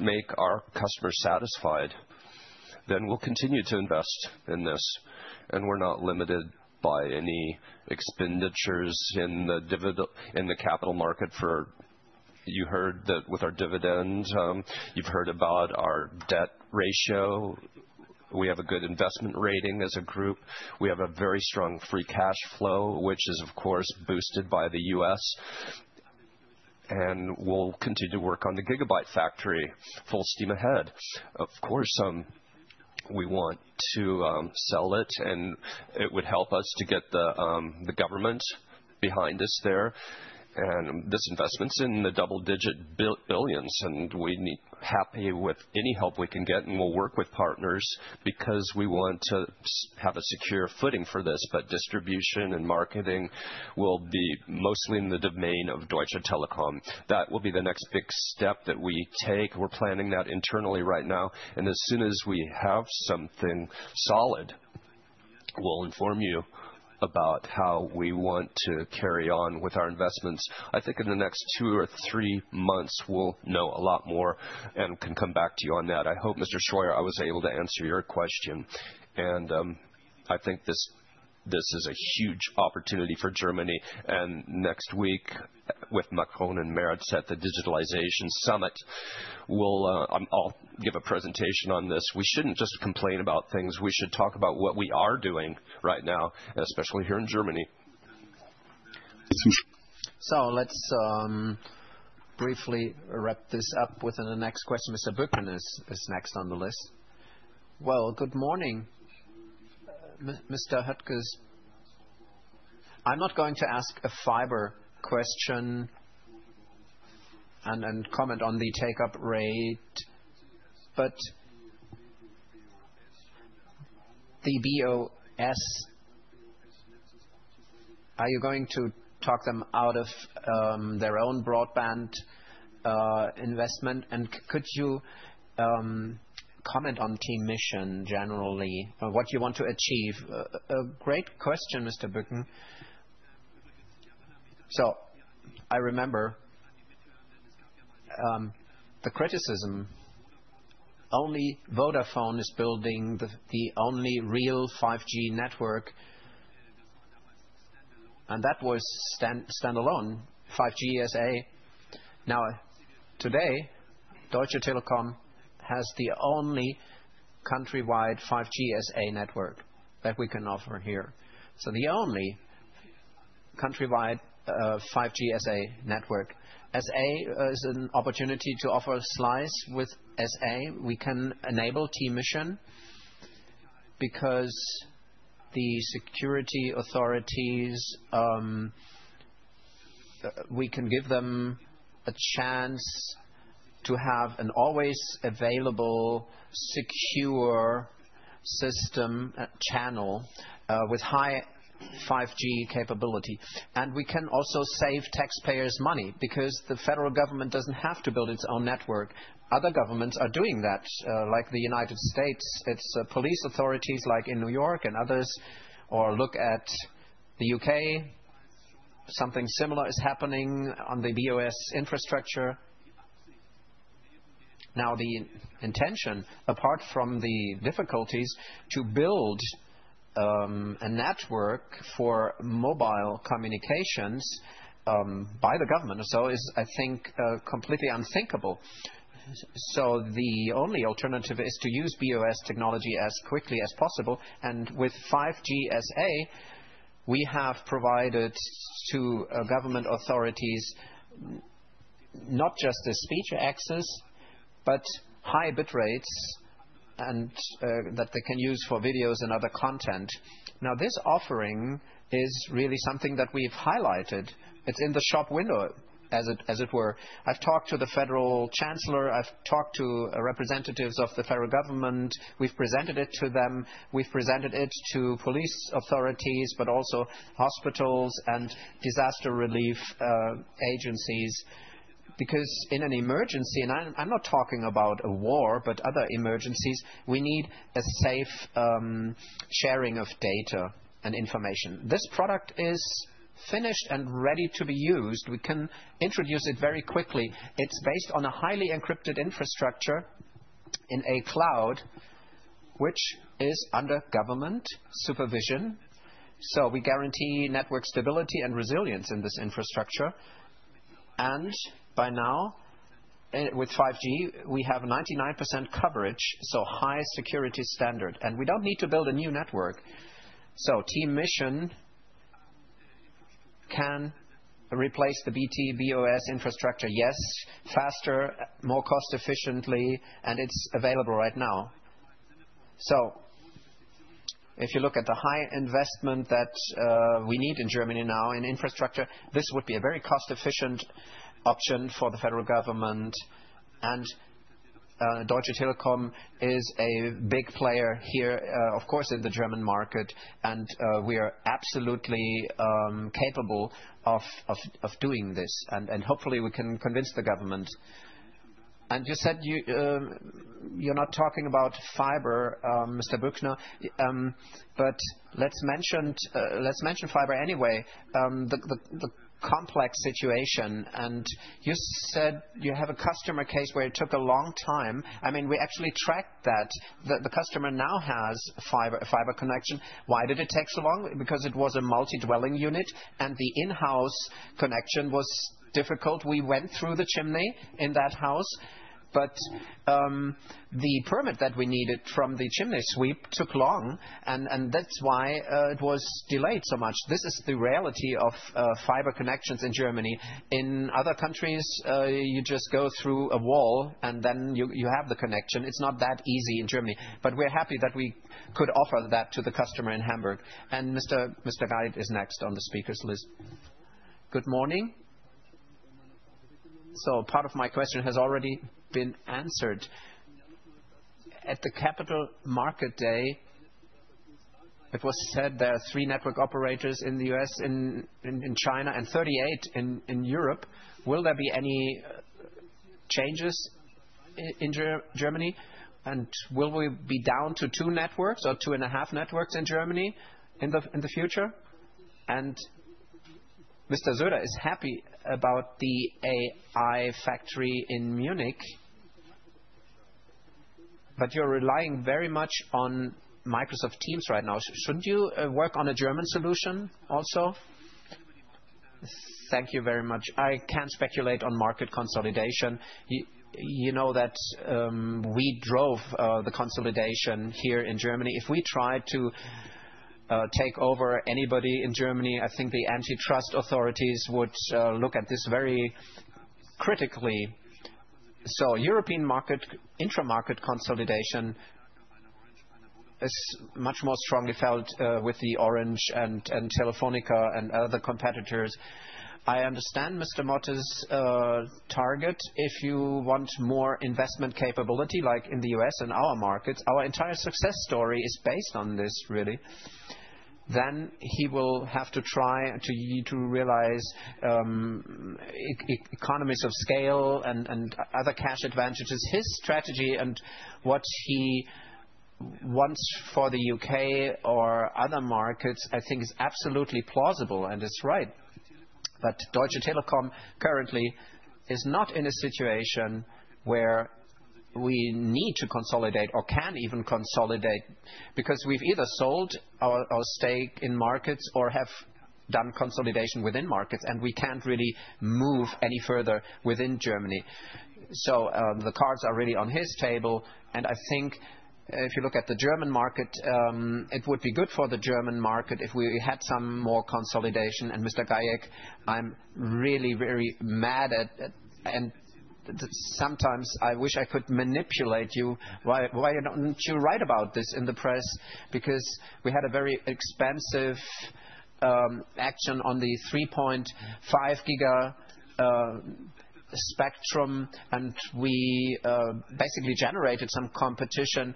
make our customers satisfied, then we'll continue to invest in this. We're not limited by any expenditures in the capital market. You heard that with our dividend. You've heard about our debt ratio. We have a good investment rating as a group. We have a very strong free cash flow, which is, of course, boosted by the US. We'll continue to work on the Gigabyte factory full steam ahead. Of course, we want to sell it, and it would help us to get the government behind us there. This investment is in the double-digit billions. We'd be happy with any help we can get, and we'll work with partners because we want to have a secure footing for this. Distribution and marketing will be mostly in the domain of Deutsche Telekom. That will be the next big step that we take. We're planning that internally right now. As soon as we have something solid, we'll inform you about how we want to carry on with our investments. I think in the next two or three months, we'll know a lot more and can come back to you on that. I hope, Mr. Scheuer, I was able to answer your question. I think this is a huge opportunity for Germany. Next week, with Macron and Meretz at the Digitalization Summit, I'll give a presentation on this. We shouldn't just complain about things. We should talk about what we are doing right now, especially here in Germany. Let's briefly wrap this up with the next question. Mr. Bücken is next on the list. Good morning, Mr. Höttges. I'm not going to ask a fiber question and comment on the take-up rate, but the BOS, are you going to talk them out of their own broadband investment? Could you comment on Team Mission generally, what you want to achieve? Great question, Mr. Bücken. I remember the criticism. Only Vodafone is building the only real 5G network. That was standalone 5G SA. Now, today, Deutsche Telekom has the only countrywide 5G SA network that we can offer here. The only countrywide 5G SA network. SA is an opportunity to offer a slice with SA. We can enable Team Mission because the security authorities, we can give them a chance to have an always available secure system channel with high 5G capability. We can also save taxpayers' money because the federal government doesn't have to build its own network. Other governments are doing that, like the United States. It's police authorities like in New York and others. Or look at the U.K. Something similar is happening on the BOS infrastructure. Now, the intention, apart from the difficulties, to build a network for mobile communications by the government or so is, I think, completely unthinkable. The only alternative is to use BOS technology as quickly as possible. With 5G SA, we have provided to government authorities not just the speech access, but high bit rates that they can use for videos and other content. This offering is really something that we've highlighted. It's in the shop window, as it were. I've talked to the Federal Chancellor. I've talked to representatives of the federal government. We've presented it to them. We've presented it to police authorities, but also hospitals and disaster relief agencies. Because in an emergency, and I'm not talking about a war, but other emergencies, we need a safe sharing of data and information. This product is finished and ready to be used. We can introduce it very quickly. It is based on a highly encrypted infrastructure in a cloud, which is under government supervision. We guarantee network stability and resilience in this infrastructure. By now, with 5G, we have 99% coverage, so high security standard. We do not need to build a new network. Team Mission can replace the BT BOS infrastructure, yes, faster, more cost-efficiently, and it is available right now. If you look at the high investment that we need in Germany now in infrastructure, this would be a very cost-efficient option for the federal government. Deutsche Telekom is a big player here, of course, in the German market. We are absolutely capable of doing this. Hopefully, we can convince the government. You said you're not talking about fiber, Mr. Bückner, but let's mention fiber anyway, the complex situation. You said you have a customer case where it took a long time. I mean, we actually tracked that. The customer now has a fiber connection. Why did it take so long? Because it was a multi-dwelling unit, and the in-house connection was difficult. We went through the chimney in that house. The permit that we needed from the chimney sweep took long, and that's why it was delayed so much. This is the reality of fiber connections in Germany. In other countries, you just go through a wall, and then you have the connection. It's not that easy in Germany. We're happy that we could offer that to the customer in Hamburg.Mr. Gaid is next on the speakers list. Good morning. Part of my question has already been answered. At the Capital Market Day, it was said there are three network operators in the US, in China, and 38 in Europe. Will there be any changes in Germany? Will we be down to two networks or two and a half networks in Germany in the future? Mr. Söder is happy about the AI factory in Munich, but you're relying very much on Microsoft Teams right now. Shouldn't you work on a German solution also? Thank you very much. I can't speculate on market consolidation. You know that we drove the consolidation here in Germany. If we try to take over anybody in Germany, I think the antitrust authorities would look at this very critically. European market, intra-market consolidation is much more strongly felt with the Orange and Telefónica and other competitors. I understand Mr. Mottes' target. If you want more investment capability, like in the U.S. and our markets, our entire success story is based on this, really. Then he will have to try to realize economies of scale and other cash advantages. His strategy and what he wants for the U.K. or other markets, I think, is absolutely plausible and is right. Deutsche Telekom currently is not in a situation where we need to consolidate or can even consolidate because we've either sold our stake in markets or have done consolidation within markets, and we can't really move any further within Germany. The cards are really on his table. I think if you look at the German market, it would be good for the German market if we had some more consolidation. Mr. Gaik, I'm really, really mad at. Sometimes I wish I could manipulate you. Why don't you write about this in the press? We had a very expansive action on the 3.5 gig spectrum, and we basically generated some competition.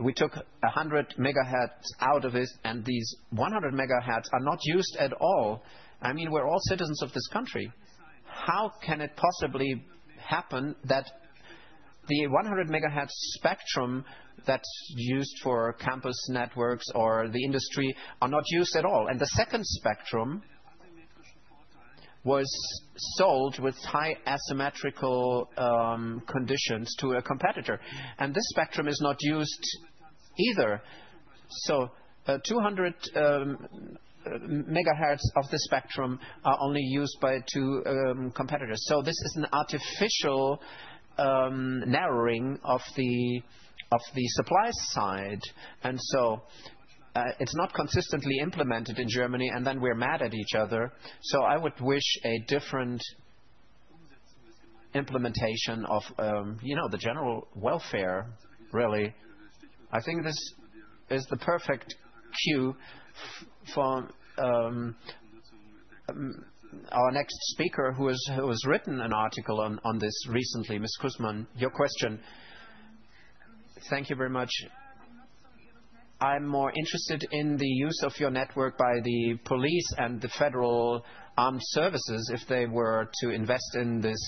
We took 100 megahertz out of it, and these 100 megahertz are not used at all. I mean, we're all citizens of this country. How can it possibly happen that the 100 megahertz spectrum that's used for campus networks or the industry are not used at all? The second spectrum was sold with high asymmetrical conditions to a competitor. This spectrum is not used either. Two hundred megahertz of the spectrum are only used by two competitors. This is an artificial narrowing of the supply side. It is not consistently implemented in Germany, and then we're mad at each other. I would wish a different implementation of the general welfare, really. I think this is the perfect cue for our next speaker, who has written an article on this recently. Ms. Kuzman, your question. Thank you very much. I'm more interested in the use of your network by the police and the federal armed services if they were to invest in this.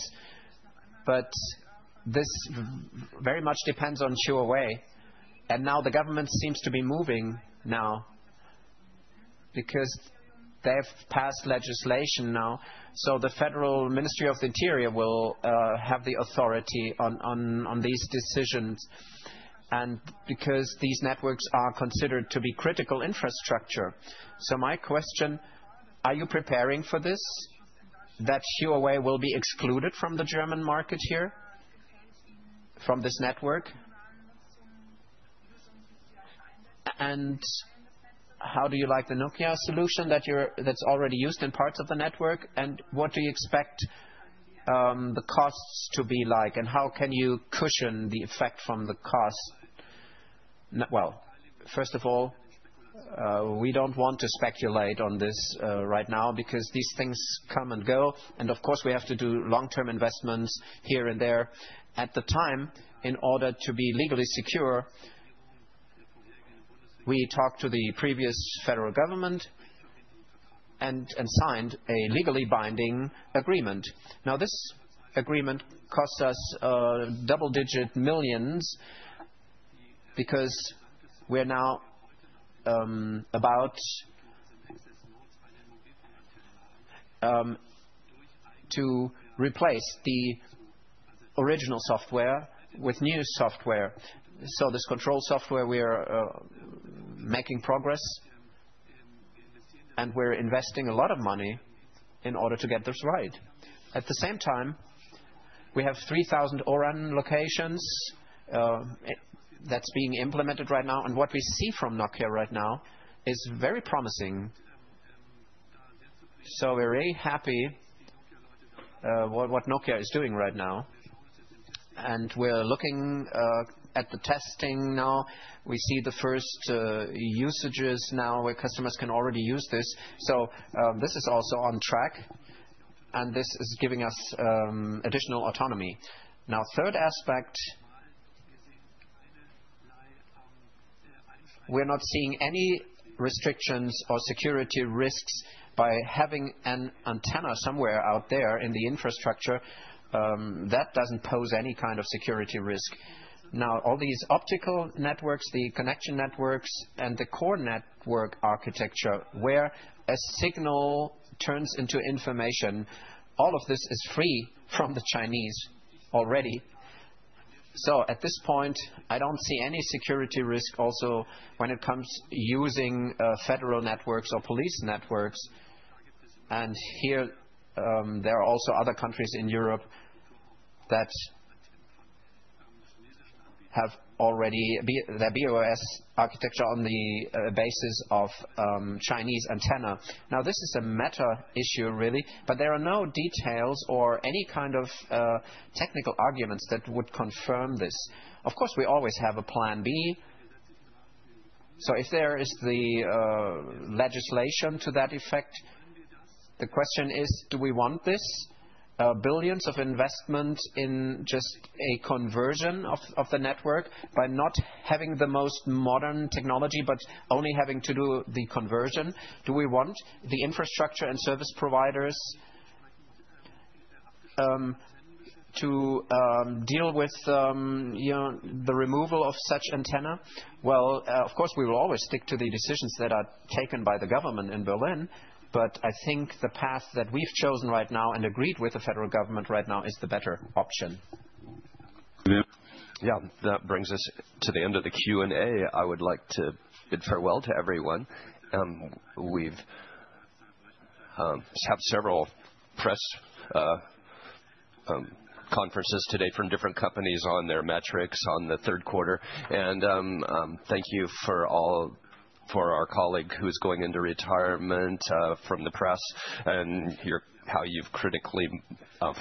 This very much depends on Huawei. Now the government seems to be moving now because they have passed legislation now. The Federal Ministry of the Interior will have the authority on these decisions because these networks are considered to be critical infrastructure. My question, are you preparing for this? That Huawei will be excluded from the German market here, from this network? How do you like the Nokia solution that is already used in parts of the network? What do you expect the costs to be like? How can you cushion the effect from the cost? First of all, we do not want to speculate on this right now because these things come and go. Of course, we have to do long-term investments here and there. At the time, in order to be legally secure, we talked to the previous federal government and signed a legally binding agreement. Now, this agreement costs us double-digit millions because we are now about to replace the original software with new software. This control software, we are making progress, and we are investing a lot of money in order to get this right. At the same time, we have 3,000 O-RAN locations that's being implemented right now. What we see from Nokia right now is very promising. We are really happy what Nokia is doing right now. We are looking at the testing now. We see the first usages now where customers can already use this. This is also on track, and this is giving us additional autonomy. Now, third aspect, we are not seeing any restrictions or security risks by having an antenna somewhere out there in the infrastructure. That does not pose any kind of security risk. All these optical networks, the connection networks, and the core network architecture where a signal turns into information, all of this is free from the Chinese already. At this point, I do not see any security risk also when it comes to using federal networks or police networks. There are also other countries in Europe that have already their BOS architecture on the basis of Chinese antenna. Now, this is a matter issue, really, but there are no details or any kind of technical arguments that would confirm this. Of course, we always have a plan B. If there is the legislation to that effect, the question is, do we want this? Billions of investment in just a conversion of the network by not having the most modern technology, but only having to do the conversion. Do we want the infrastructure and service providers to deal with the removal of such antenna? Of course, we will always stick to the decisions that are taken by the government in Berlin. I think the path that we've chosen right now and agreed with the federal government right now is the better option. Yeah, that brings us to the end of the Q&A. I would like to bid farewell to everyone. We've had several press conferences today from different companies on their metrics on the third quarter. Thank you for our colleague who is going into retirement from the press and how you've critically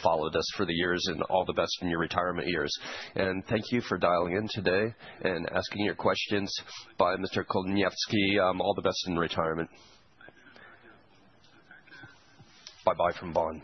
followed us for the years. All the best in your retirement years. Thank you for dialing in today and asking your questions. Bye, Mr. Kolniewski. All the best in retirement. Bye-bye from Bonn.